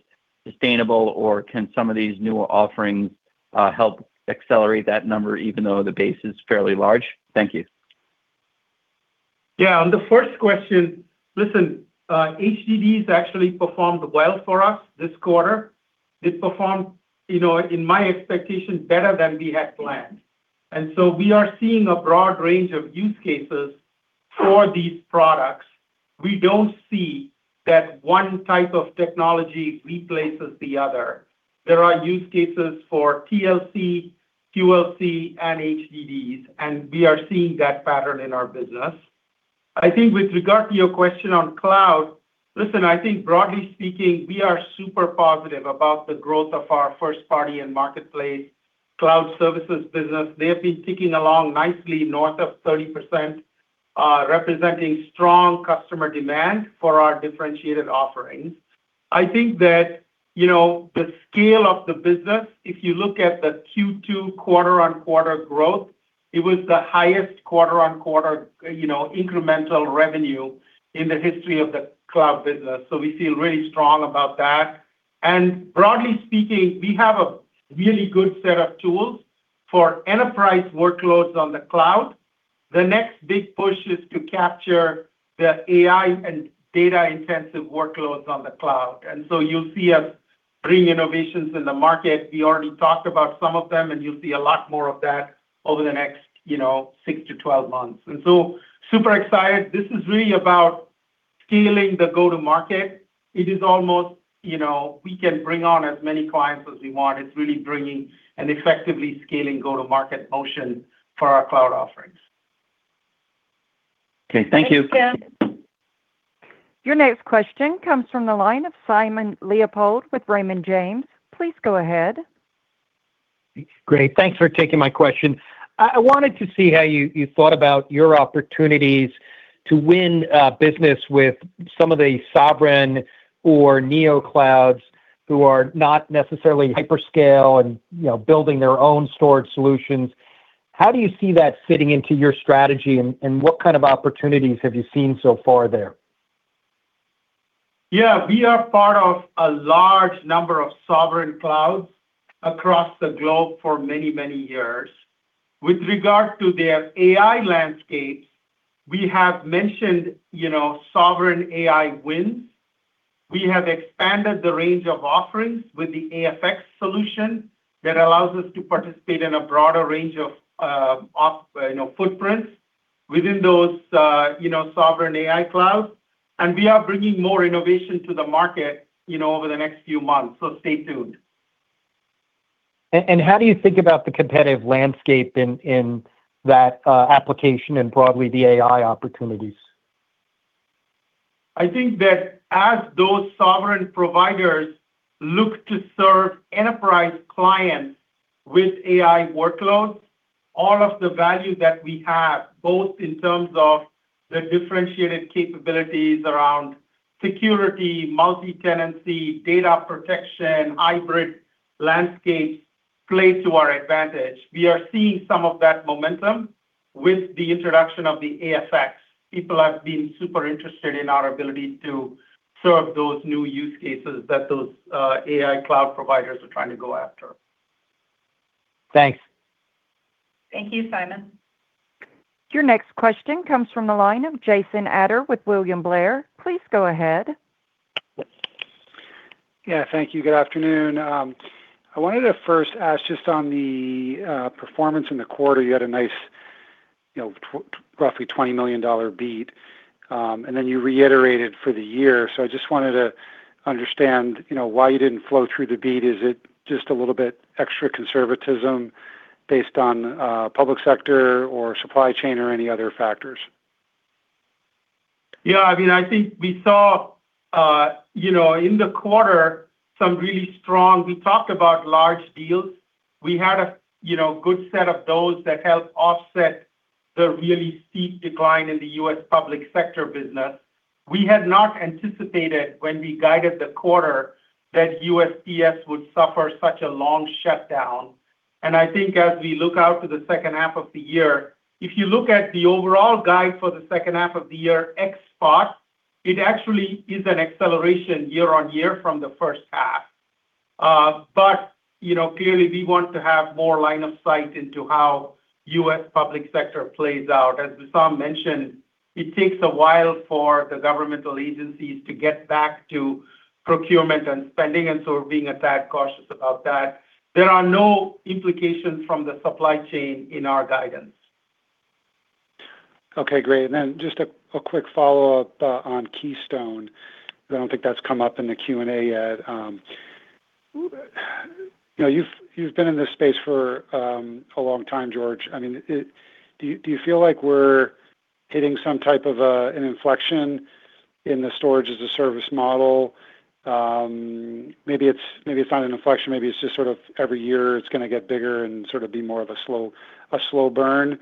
[SPEAKER 11] sustainable, or can some of these newer offerings help accelerate that number even though the base is fairly large? Thank you.
[SPEAKER 3] Yeah. On the first question, listen, HDDs actually performed well for us this quarter. It performed, in my expectation, better than we had planned. We are seeing a broad range of use cases for these products. We do not see that one type of technology replaces the other. There are use cases for TLC, QLC, and HDDs, and we are seeing that pattern in our business. I think with regard to your question on cloud, listen, I think broadly speaking, we are super positive about the growth of our first-party and marketplace cloud services business. They have been ticking along nicely north of 30%, representing strong customer demand for our differentiated offerings. I think that the scale of the business, if you look at the Q2 quarter-on-quarter growth, it was the highest quarter-on-quarter incremental revenue in the history of the cloud business. We feel really strong about that. Broadly speaking, we have a really good set of tools for enterprise workloads on the cloud. The next big push is to capture the AI and data-intensive workloads on the cloud. You will see us bring innovations in the market. We already talked about some of them, and you will see a lot more of that over the next 6-12 months. Super excited. This is really about scaling the go-to-market. It is almost we can bring on as many clients as we want. It's really bringing an effectively scaling go-to-market motion for our cloud offerings.
[SPEAKER 11] Okay. Thank you.
[SPEAKER 2] Thank you.
[SPEAKER 1] Your next question comes from the line of Simon Leopold with Raymond James. Please go ahead.
[SPEAKER 12] Great. Thanks for taking my question. I wanted to see how you thought about your opportunities to win business with some of the Sovereign or NeoClouds who are not necessarily hyperscale and building their own storage solutions. How do you see that fitting into your strategy, and what kind of opportunities have you seen so far there?
[SPEAKER 3] Yeah. We are part of a large number of Sovereign clouds across the globe for many, many years. With regard to their AI landscapes, we have mentioned Sovereign AI wins. We have expanded the range of offerings with the AFX solution that allows us to participate in a broader range of footprints within those Sovereign AI clouds. We are bringing more innovation to the market over the next few months. Stay tuned.
[SPEAKER 12] How do you think about the competitive landscape in that application and broadly the AI opportunities?
[SPEAKER 3] I think that as those Sovereign providers look to serve enterprise clients with AI workloads, all of the value that we have, both in terms of the differentiated capabilities around security, multi-tenancy, data protection, hybrid landscapes, plays to our advantage. We are seeing some of that momentum with the introduction of the AFX. People have been super interested in our ability to serve those new use cases that those AI cloud providers are trying to go after.
[SPEAKER 12] Thanks.
[SPEAKER 2] Thank you, Simon.
[SPEAKER 1] Your next question comes from the line of Jason Ader with William Blair. Please go ahead.
[SPEAKER 13] Yeah. Thank you. Good afternoon. I wanted to first ask just on the performance in the quarter. You had a nice roughly $20 million beat, and then you reiterated for the year. I just wanted to understand why you did not flow through the beat. Is it just a little bit extra conservatism based on public sector or supply chain or any other factors?
[SPEAKER 3] Yeah. I mean, I think we saw in the quarter some really strong, we talked about large deals. We had a good set of those that helped offset the really steep decline in the U.S. public sector business. We had not anticipated when we guided the quarter that U.S. public sector would suffer such a long shutdown. I think as we look out to the second half of the year, if you look at the overall guide for the second half of the year ex spot, it actually is an acceleration year-on-year from the first half. Clearly, we want to have more line of sight into how U.S. public sector plays out. As Wissam mentioned, it takes a while for the governmental agencies to get back to procurement and spending, and so we're being a tad cautious about that. There are no implications from the supply chain in our guidance.
[SPEAKER 13] Okay. Great. Just a quick follow-up on Keystone. I don't think that's come up in the Q&A yet. You've been in this space for a long time, George. I mean, do you feel like we're hitting some type of an inflection in the torage-as-a-Service Model? Maybe it's not an inflection. Maybe it's just sort of every year it's going to get bigger and sort of be more of a slow burn.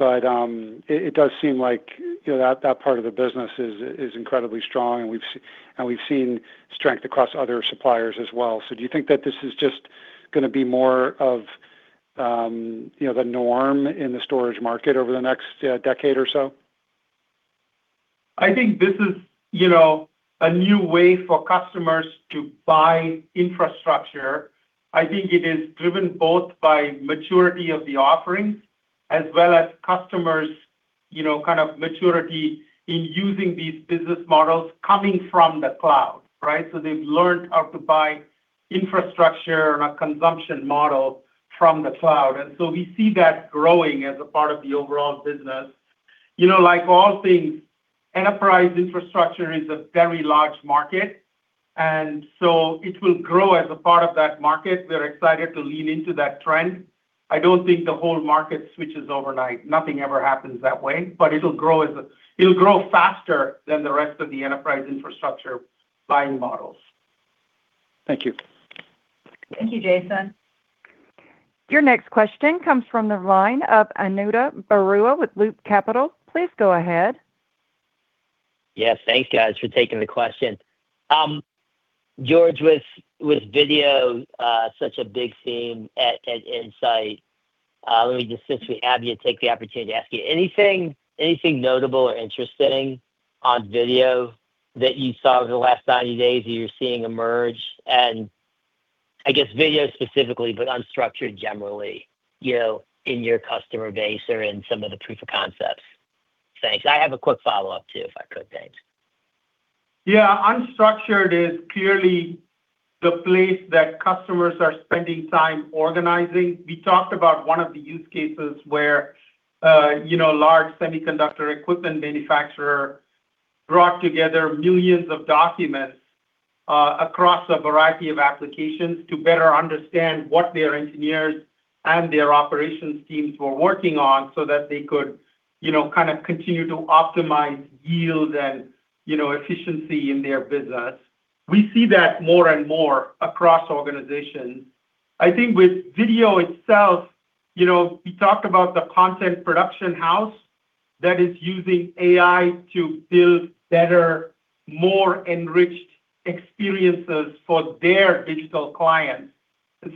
[SPEAKER 13] It does seem like that part of the business is incredibly strong, and we've seen strength across other suppliers as well. Do you think that this is just going to be more of the norm in the storage market over the next decade or so?
[SPEAKER 3] I think this is a new way for customers to buy infrastructure. I think it is driven both by maturity of the offerings as well as customers' kind of maturity in using these business models coming from the cloud, right? They've learned how to buy infrastructure on a consumption model from the cloud. We see that growing as a part of the overall business. Like all things, enterprise infrastructure is a very large market, and so it will grow as a part of that market. We're excited to lean into that trend. I don't think the whole market switches overnight. Nothing ever happens that way, but it'll grow faster than the rest of the enterprise infrastructure buying models.
[SPEAKER 13] Thank you.
[SPEAKER 2] Thank you, Jason.
[SPEAKER 1] Your next question comes from the line of Ananda Baruah with Loop Capital. Please go ahead.
[SPEAKER 14] Yes. Thanks, guys, for taking the question. George, with video, such a big theme at Insight, let me just since we have you, take the opportunity to ask you anything notable or interesting on video that you saw over the last 90 days that you're seeing emerge? I guess video specifically, but unstructured generally in your customer base or in some of the proof of concepts. Thanks. I have a quick follow-up too, if I could, thanks.
[SPEAKER 3] Yeah. Unstructured is clearly the place that customers are spending time organizing. We talked about one of the use cases where a large semiconductor equipment manufacturer brought together millions of documents across a variety of applications to better understand what their engineers and their operations teams were working on so that they could kind of continue to optimize yield and efficiency in their business. We see that more and more across organizations. I think with video itself, we talked about the content production house that is using AI to build better, more enriched experiences for their digital clients.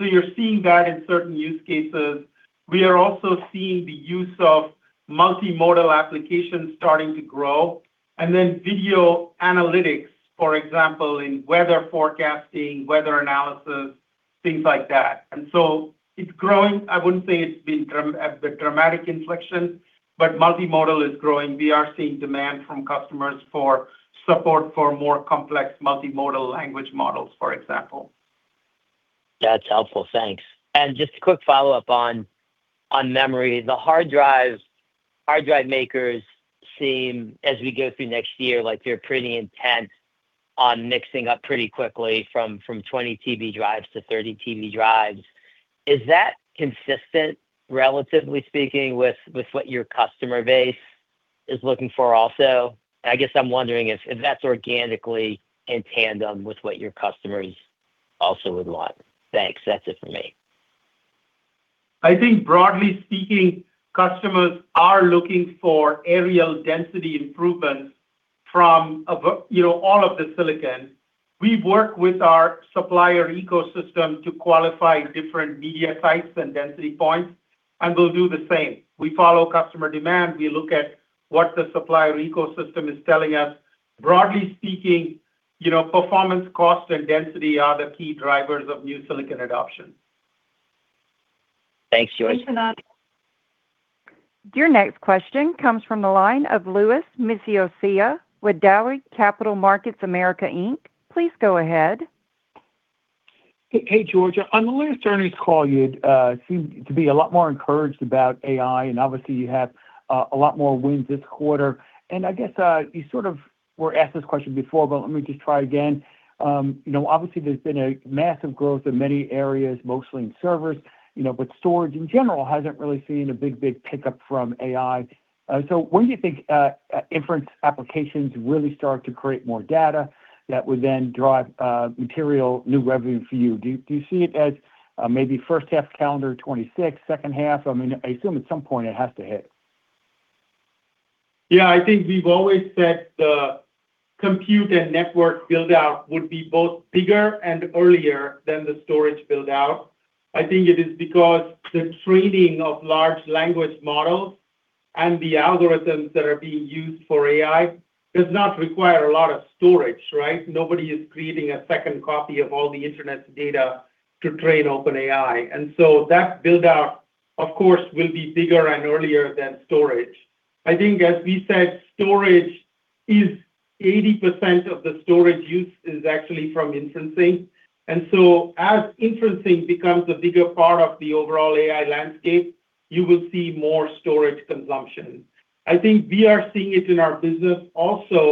[SPEAKER 3] You are seeing that in certain use cases. We are also seeing the use of multimodal applications starting to grow, and then video analytics, for example, in weather forecasting, weather analysis, things like that. It is growing. I wouldn't say it's been a dramatic inflection, but multimodal is growing. We are seeing demand from customers for support for more complex multimodal language models, for example.
[SPEAKER 14] That's helpful. Thanks. Just a quick follow-up on memory. The hard drive makers seem, as we go through next year, like they're pretty intent on mixing up pretty quickly from 20 TB drives to 30 TB drives. Is that consistent, relatively speaking, with what your customer base is looking for also? I guess I'm wondering if that's organically in tandem with what your customers also would want. Thanks. That's it for me.
[SPEAKER 3] I think broadly speaking, customers are looking for aerial density improvements from all of the silicon. We work with our supplier ecosystem to qualify different media types and density points, and we'll do the same. We follow customer demand. We look at what the supplier ecosystem is telling us. Broadly speaking, performance, cost, and density are the key drivers of new silicon adoption.
[SPEAKER 14] Thanks, George.
[SPEAKER 2] Thanks for that.
[SPEAKER 1] Your next question comes from the line of Louis Miscioscia with Daiwa Capital Markets America Inc. Please go ahead.
[SPEAKER 15] Hey, George. On the latest earnings call, you seem to be a lot more encouraged about AI, and obviously, you have a lot more wins this quarter. I guess you sort of were asked this question before, but let me just try again. Obviously, there has been a massive growth in many areas, mostly in servers, but storage in general has not really seen a big, big pickup from AI. When do you think inference applications really start to create more data that would then drive material, new revenue for you? Do you see it as maybe first half calendar 2026, second half? I mean, I assume at some point it has to hit.
[SPEAKER 3] Yeah. I think we've always said the compute and network buildout would be both bigger and earlier than the storage buildout. I think it is because the training of large language models and the algorithms that are being used for AI does not require a lot of storage, right? Nobody is creating a second copy of all the internet's data to train OpenAI. That buildout, of course, will be bigger and earlier than storage. I think, as we said, storage is 80% of the storage use is actually from inferencing. As inferencing becomes a bigger part of the overall AI landscape, you will see more storage consumption. I think we are seeing it in our business also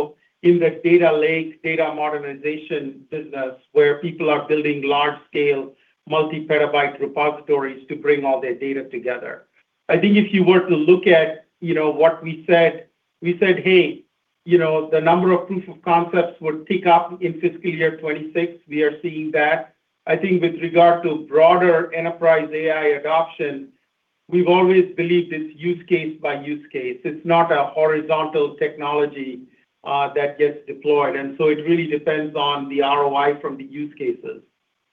[SPEAKER 3] in the data lake, data modernization business, where people are building large-scale multi-terabyte repositories to bring all their data together. I think if you were to look at what we said, we said, "Hey, the number of proof of concepts would tick up in fiscal year 2026." We are seeing that. I think with regard to broader enterprise AI adoption, we've always believed it's use case by use case. It's not a horizontal technology that gets deployed. It really depends on the ROI from the use cases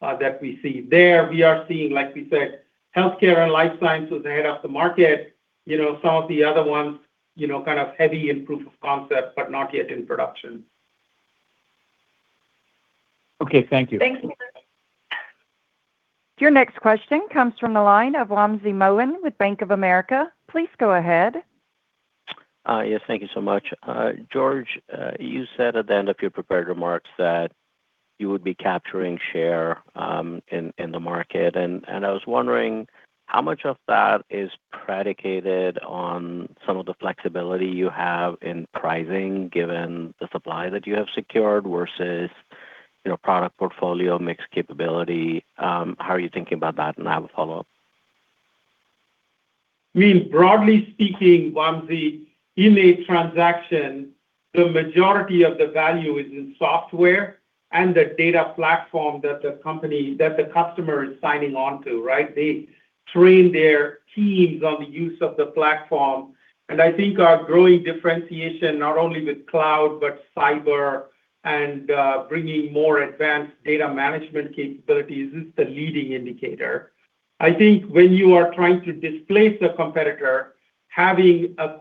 [SPEAKER 3] that we see. There, we are seeing, like we said, healthcare and life sciences ahead of the market. Some of the other ones kind of heavy in proof of concept, but not yet in production.
[SPEAKER 15] Okay. Thank you.
[SPEAKER 2] Thanks.
[SPEAKER 1] Your next question comes from the line of Wamsi Mohan with Bank of America. Please go ahead.
[SPEAKER 16] Yes. Thank you so much. George, you said at the end of your prepared remarks that you would be capturing share in the market. I was wondering how much of that is predicated on some of the flexibility you have in pricing given the supply that you have secured versus product portfolio mix capability. How are you thinking about that? I have a follow-up.
[SPEAKER 3] I mean, broadly speaking, Wamsi, in a transaction, the majority of the value is in software and the data platform that the customer is signing onto, right? They train their teams on the use of the platform. I think our growing differentiation, not only with cloud, but cyber and bringing more advanced data management capabilities, is the leading indicator. I think when you are trying to displace a competitor, having a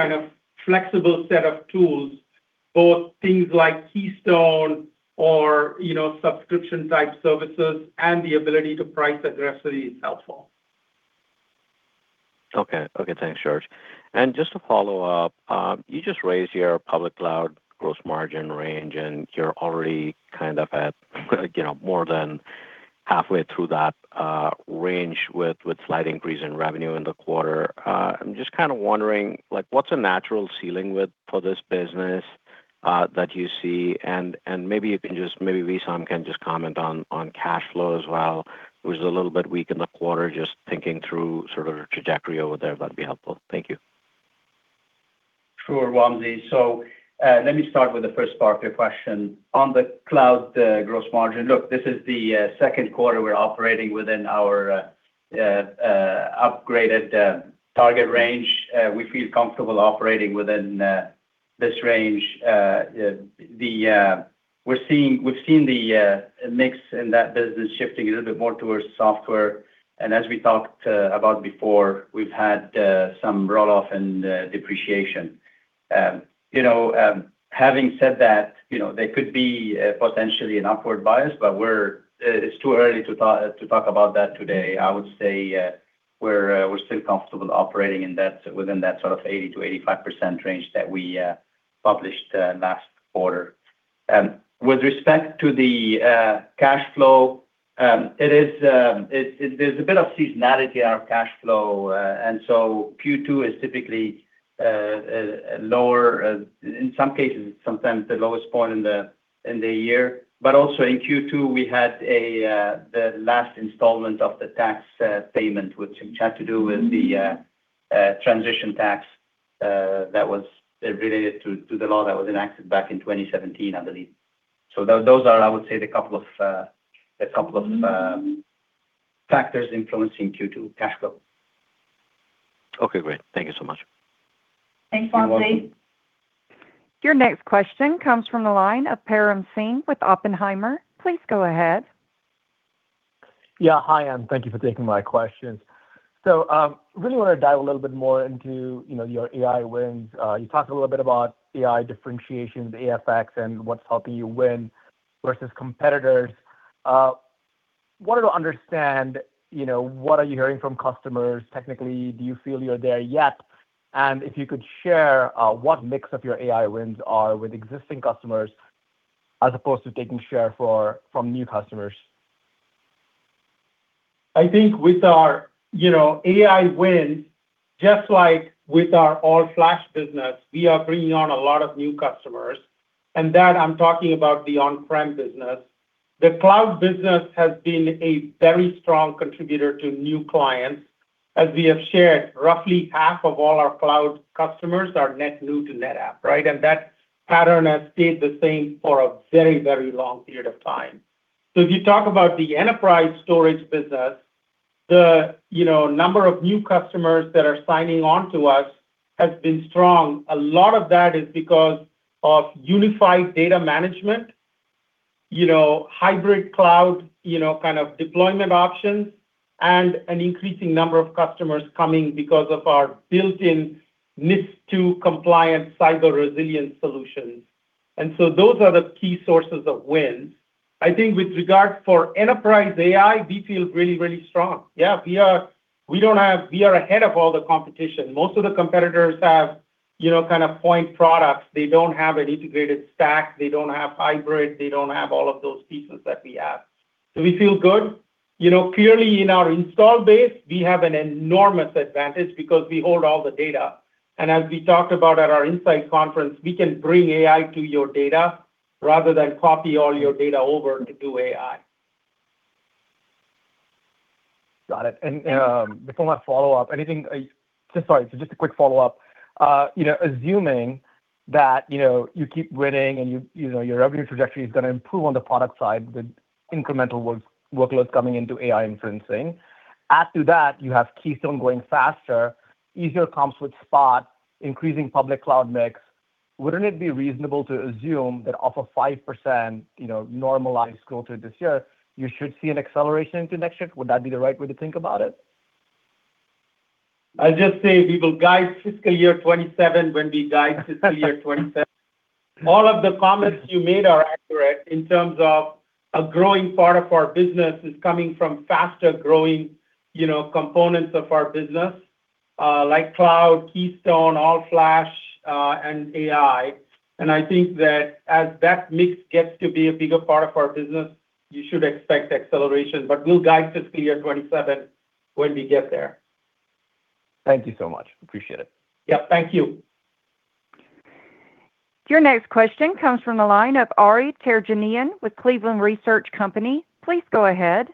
[SPEAKER 3] kind of flexible set of tools, both things like Keystone or subscription-type services and the ability to price aggressively is helpful.
[SPEAKER 16] Okay. Okay. Thanks, George. Just to follow up, you just raised your public cloud gross margin range, and you're already kind of at more than halfway through that range with slight increase in revenue in the quarter. I'm just kind of wondering, what's a natural ceiling for this business that you see? Maybe you can just maybe Wissam can just comment on cash flow as well, which is a little bit weak in the quarter. Just thinking through sort of the trajectory over there, that'd be helpful. Thank you.
[SPEAKER 4] Sure, Ramzi. Let me start with the first part of your question. On the cloud gross margin, look, this is the second quarter we're operating within our upgraded target range. We feel comfortable operating within this range. We've seen the mix in that business shifting a little bit more towards software. As we talked about before, we've had some runoff and depreciation. Having said that, there could be potentially an upward bias, but it's too early to talk about that today. I would say we're still comfortable operating within that sort of 80-85% range that we published last quarter. With respect to the cash flow, there's a bit of seasonality in our cash flow. Q2 is typically lower. In some cases, it's sometimes the lowest point in the year. Also in Q2, we had the last installment of the tax payment, which had to do with the transition tax that was related to the law that was enacted back in 2017, I believe. Those are, I would say, the couple of factors influencing Q2 cash flow.
[SPEAKER 16] Okay. Great. Thank you so much.
[SPEAKER 2] Thanks, Wamsi.
[SPEAKER 1] Your next question comes from the line of Param Singh with Oppenheimer. Please go ahead.
[SPEAKER 17] Yeah. Hi, and thank you for taking my questions. I really want to dive a little bit more into your AI wins. You talked a little bit about AI differentiation, the AFX, and what is helping you win versus competitors. I wanted to understand, what are you hearing from customers? Technically, do you feel you are there yet? If you could share what mix of your AI wins are with existing customers as opposed to taking share from new customers?
[SPEAKER 3] I think with our AI wins, just like with our all-flash business, we are bringing on a lot of new customers. That, I'm talking about the on-prem business. The cloud business has been a very strong contributor to new clients. As we have shared, roughly half of all our cloud customers are net new to NetApp, right? That pattern has stayed the same for a very, very long period of time. If you talk about the enterprise storage business, the number of new customers that are signing on to us has been strong. A lot of that is because of unified data management, hybrid cloud kind of deployment options, and an increasing number of customers coming because of our built-in NIS2-compliant cyber resilience solutions. Those are the key sources of wins. I think with regard for enterprise AI, we feel really, really strong. Yeah. We don't have we are ahead of all the competition. Most of the competitors have kind of point products. They don't have an integrated stack. They don't have hybrid. They don't have all of those pieces that we have. We feel good. Clearly, in our install base, we have an enormous advantage because we hold all the data. As we talked about at our Insight conference, we can bring AI to your data rather than copy all your data over to do AI.
[SPEAKER 17] Got it. Before my follow-up, anything just sorry. Just a quick follow-up. Assuming that you keep winning and your revenue trajectory is going to improve on the product side with incremental workloads coming into AI inferencing, add to that, you have Keystone going faster, easier comps with Spot, increasing public cloud mix. Wouldn't it be reasonable to assume that off of 5% normalized growth this year, you should see an acceleration into next year? Would that be the right way to think about it?
[SPEAKER 3] I just say we will guide fiscal year 2027 when we guide fiscal year 2027. All of the comments you made are accurate in terms of a growing part of our business is coming from faster growing components of our business like cloud, Keystone, all-flash, and AI. I think that as that mix gets to be a bigger part of our business, you should expect acceleration. We will guide fiscal year 2027 when we get there.
[SPEAKER 17] Thank you so much. Appreciate it.
[SPEAKER 3] Yep. Thank you.
[SPEAKER 1] Your next question comes from the line of Ari Terjanian with Cleveland Research Company. Please go ahead.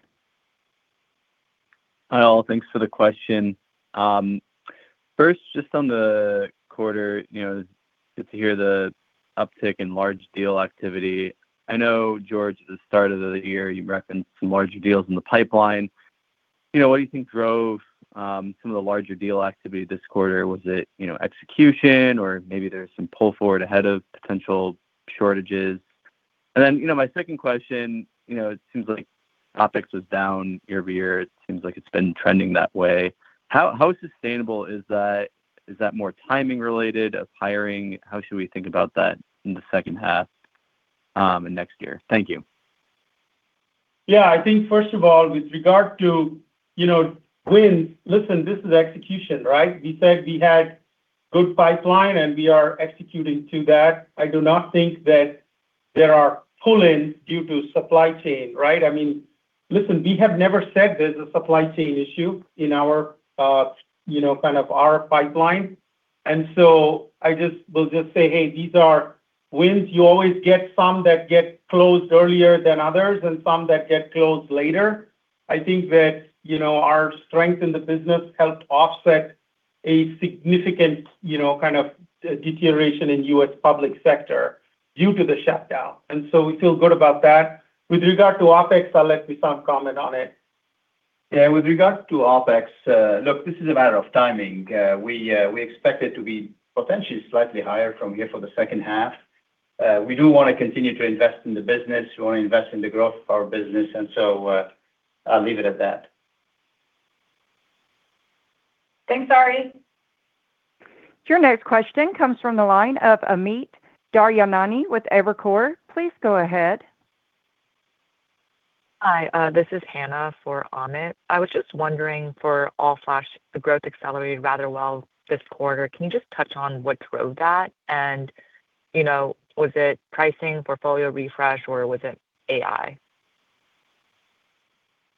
[SPEAKER 18] Hi, all. Thanks for the question. First, just on the quarter, good to hear the uptick in large deal activity. I know, George, at the start of the year, you mentioned some large deals in the pipeline. What do you think drove some of the larger deal activity this quarter? Was it execution, or maybe there is some pull forward ahead of potential shortages? And then my second question, it seems like OpEx was down year-to-year. It seems like it has been trending that way. How sustainable is that? Is that more timing related of hiring? How should we think about that in the second half and next year? Thank you.
[SPEAKER 3] Yeah. I think, first of all, with regard to wins, listen, this is execution, right? We said we had good pipeline, and we are executing to that. I do not think that there are pull-ins due to supply chain, right? I mean, listen, we have never said there's a supply chain issue in our kind of our pipeline. I just will just say, "Hey, these are wins." You always get some that get closed earlier than others and some that get closed later. I think that our strength in the business helped offset a significant kind of deterioration in U.S. public sector due to the shutdown. We feel good about that. With regard to OpEx, I'll let Wissam comment on it.
[SPEAKER 4] Yeah. With regard to OpEx, look, this is a matter of timing. We expect it to be potentially slightly higher from here for the second half. We do want to continue to invest in the business. We want to invest in the growth of our business. I'll leave it at that.
[SPEAKER 2] Thanks, Ari.
[SPEAKER 1] Your next question comes from the line of Amit Darjanani with Evercore. Please go ahead.
[SPEAKER 19] Hi. This is Hannah for Amit. I was just wondering, for all-flash, the growth accelerated rather well this quarter. Can you just touch on what drove that? Was it pricing, portfolio refresh, or was it AI?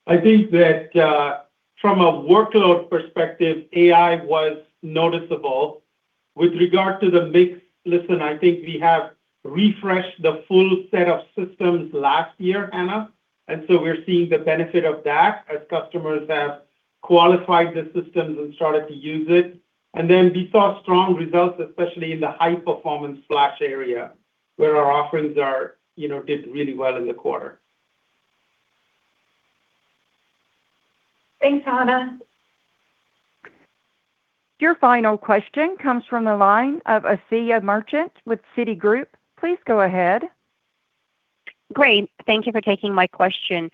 [SPEAKER 3] I think that from a workload perspective, AI was noticeable. With regard to the mix, listen, I think we have refreshed the full set of systems last year, Hannah. We are seeing the benefit of that as customers have qualified the systems and started to use it. We saw strong results, especially in the high-performance flash area where our offerings did really well in the quarter.
[SPEAKER 2] Thanks, Hannah.
[SPEAKER 1] Your final question comes from the line of Asiya Merchant with Citigroup. Please go ahead.
[SPEAKER 20] Great. Thank you for taking my question.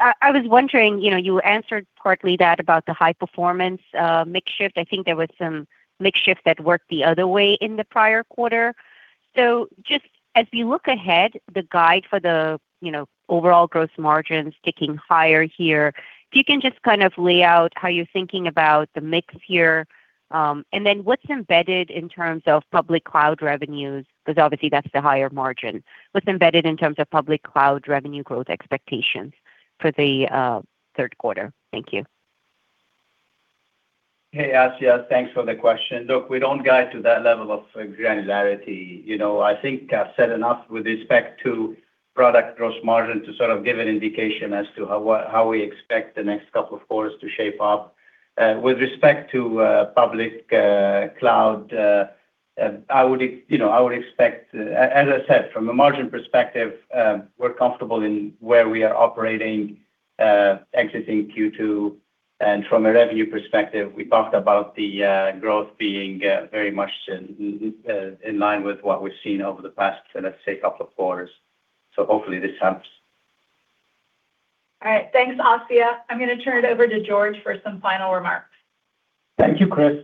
[SPEAKER 20] I was wondering, you answered partly that about the high-performance mix shift. I think there was some mix shift that worked the other way in the prior quarter. Just as we look ahead, the guide for the overall gross margin sticking higher here, if you can just kind of lay out how you're thinking about the mix here. What's embedded in terms of public cloud revenues? Because obviously, that's the higher margin. What's embedded in terms of public cloud revenue growth expectations for the third quarter? Thank you.
[SPEAKER 4] Hey, Asiya. Thanks for the question. Look, we do not guide to that level of granularity. I think I've said enough with respect to product gross margin to sort of give an indication as to how we expect the next couple of quarters to shape up. With respect to public cloud, I would expect, as I said, from a margin perspective, we're comfortable in where we are operating, exiting Q2. From a revenue perspective, we talked about the growth being very much in line with what we've seen over the past, let's say, couple of quarters. Hopefully, this helps.
[SPEAKER 2] All right. Thanks, Asiya. I'm going to turn it over to George for some final remarks.
[SPEAKER 3] Thank you, Chris.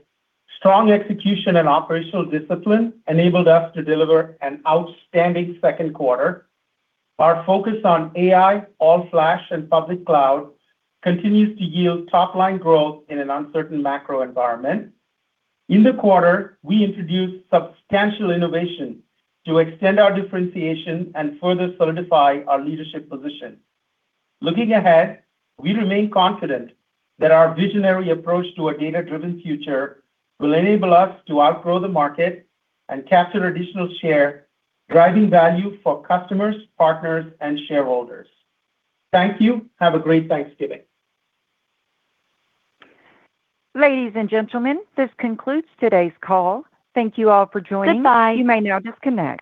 [SPEAKER 3] Strong execution and operational discipline enabled us to deliver an outstanding second quarter. Our focus on AI, all-flash, and public cloud continues to yield top-line growth in an uncertain macro environment. In the quarter, we introduced substantial innovation to extend our differentiation and further solidify our leadership position. Looking ahead, we remain confident that our visionary approach to a data-driven future will enable us to outgrow the market and capture additional share, driving value for customers, partners, and shareholders. Thank you. Have a great Thanksgiving. Ladies and gentlemen, this concludes today's call. Thank you all for joining. Goodbye. You may now disconnect.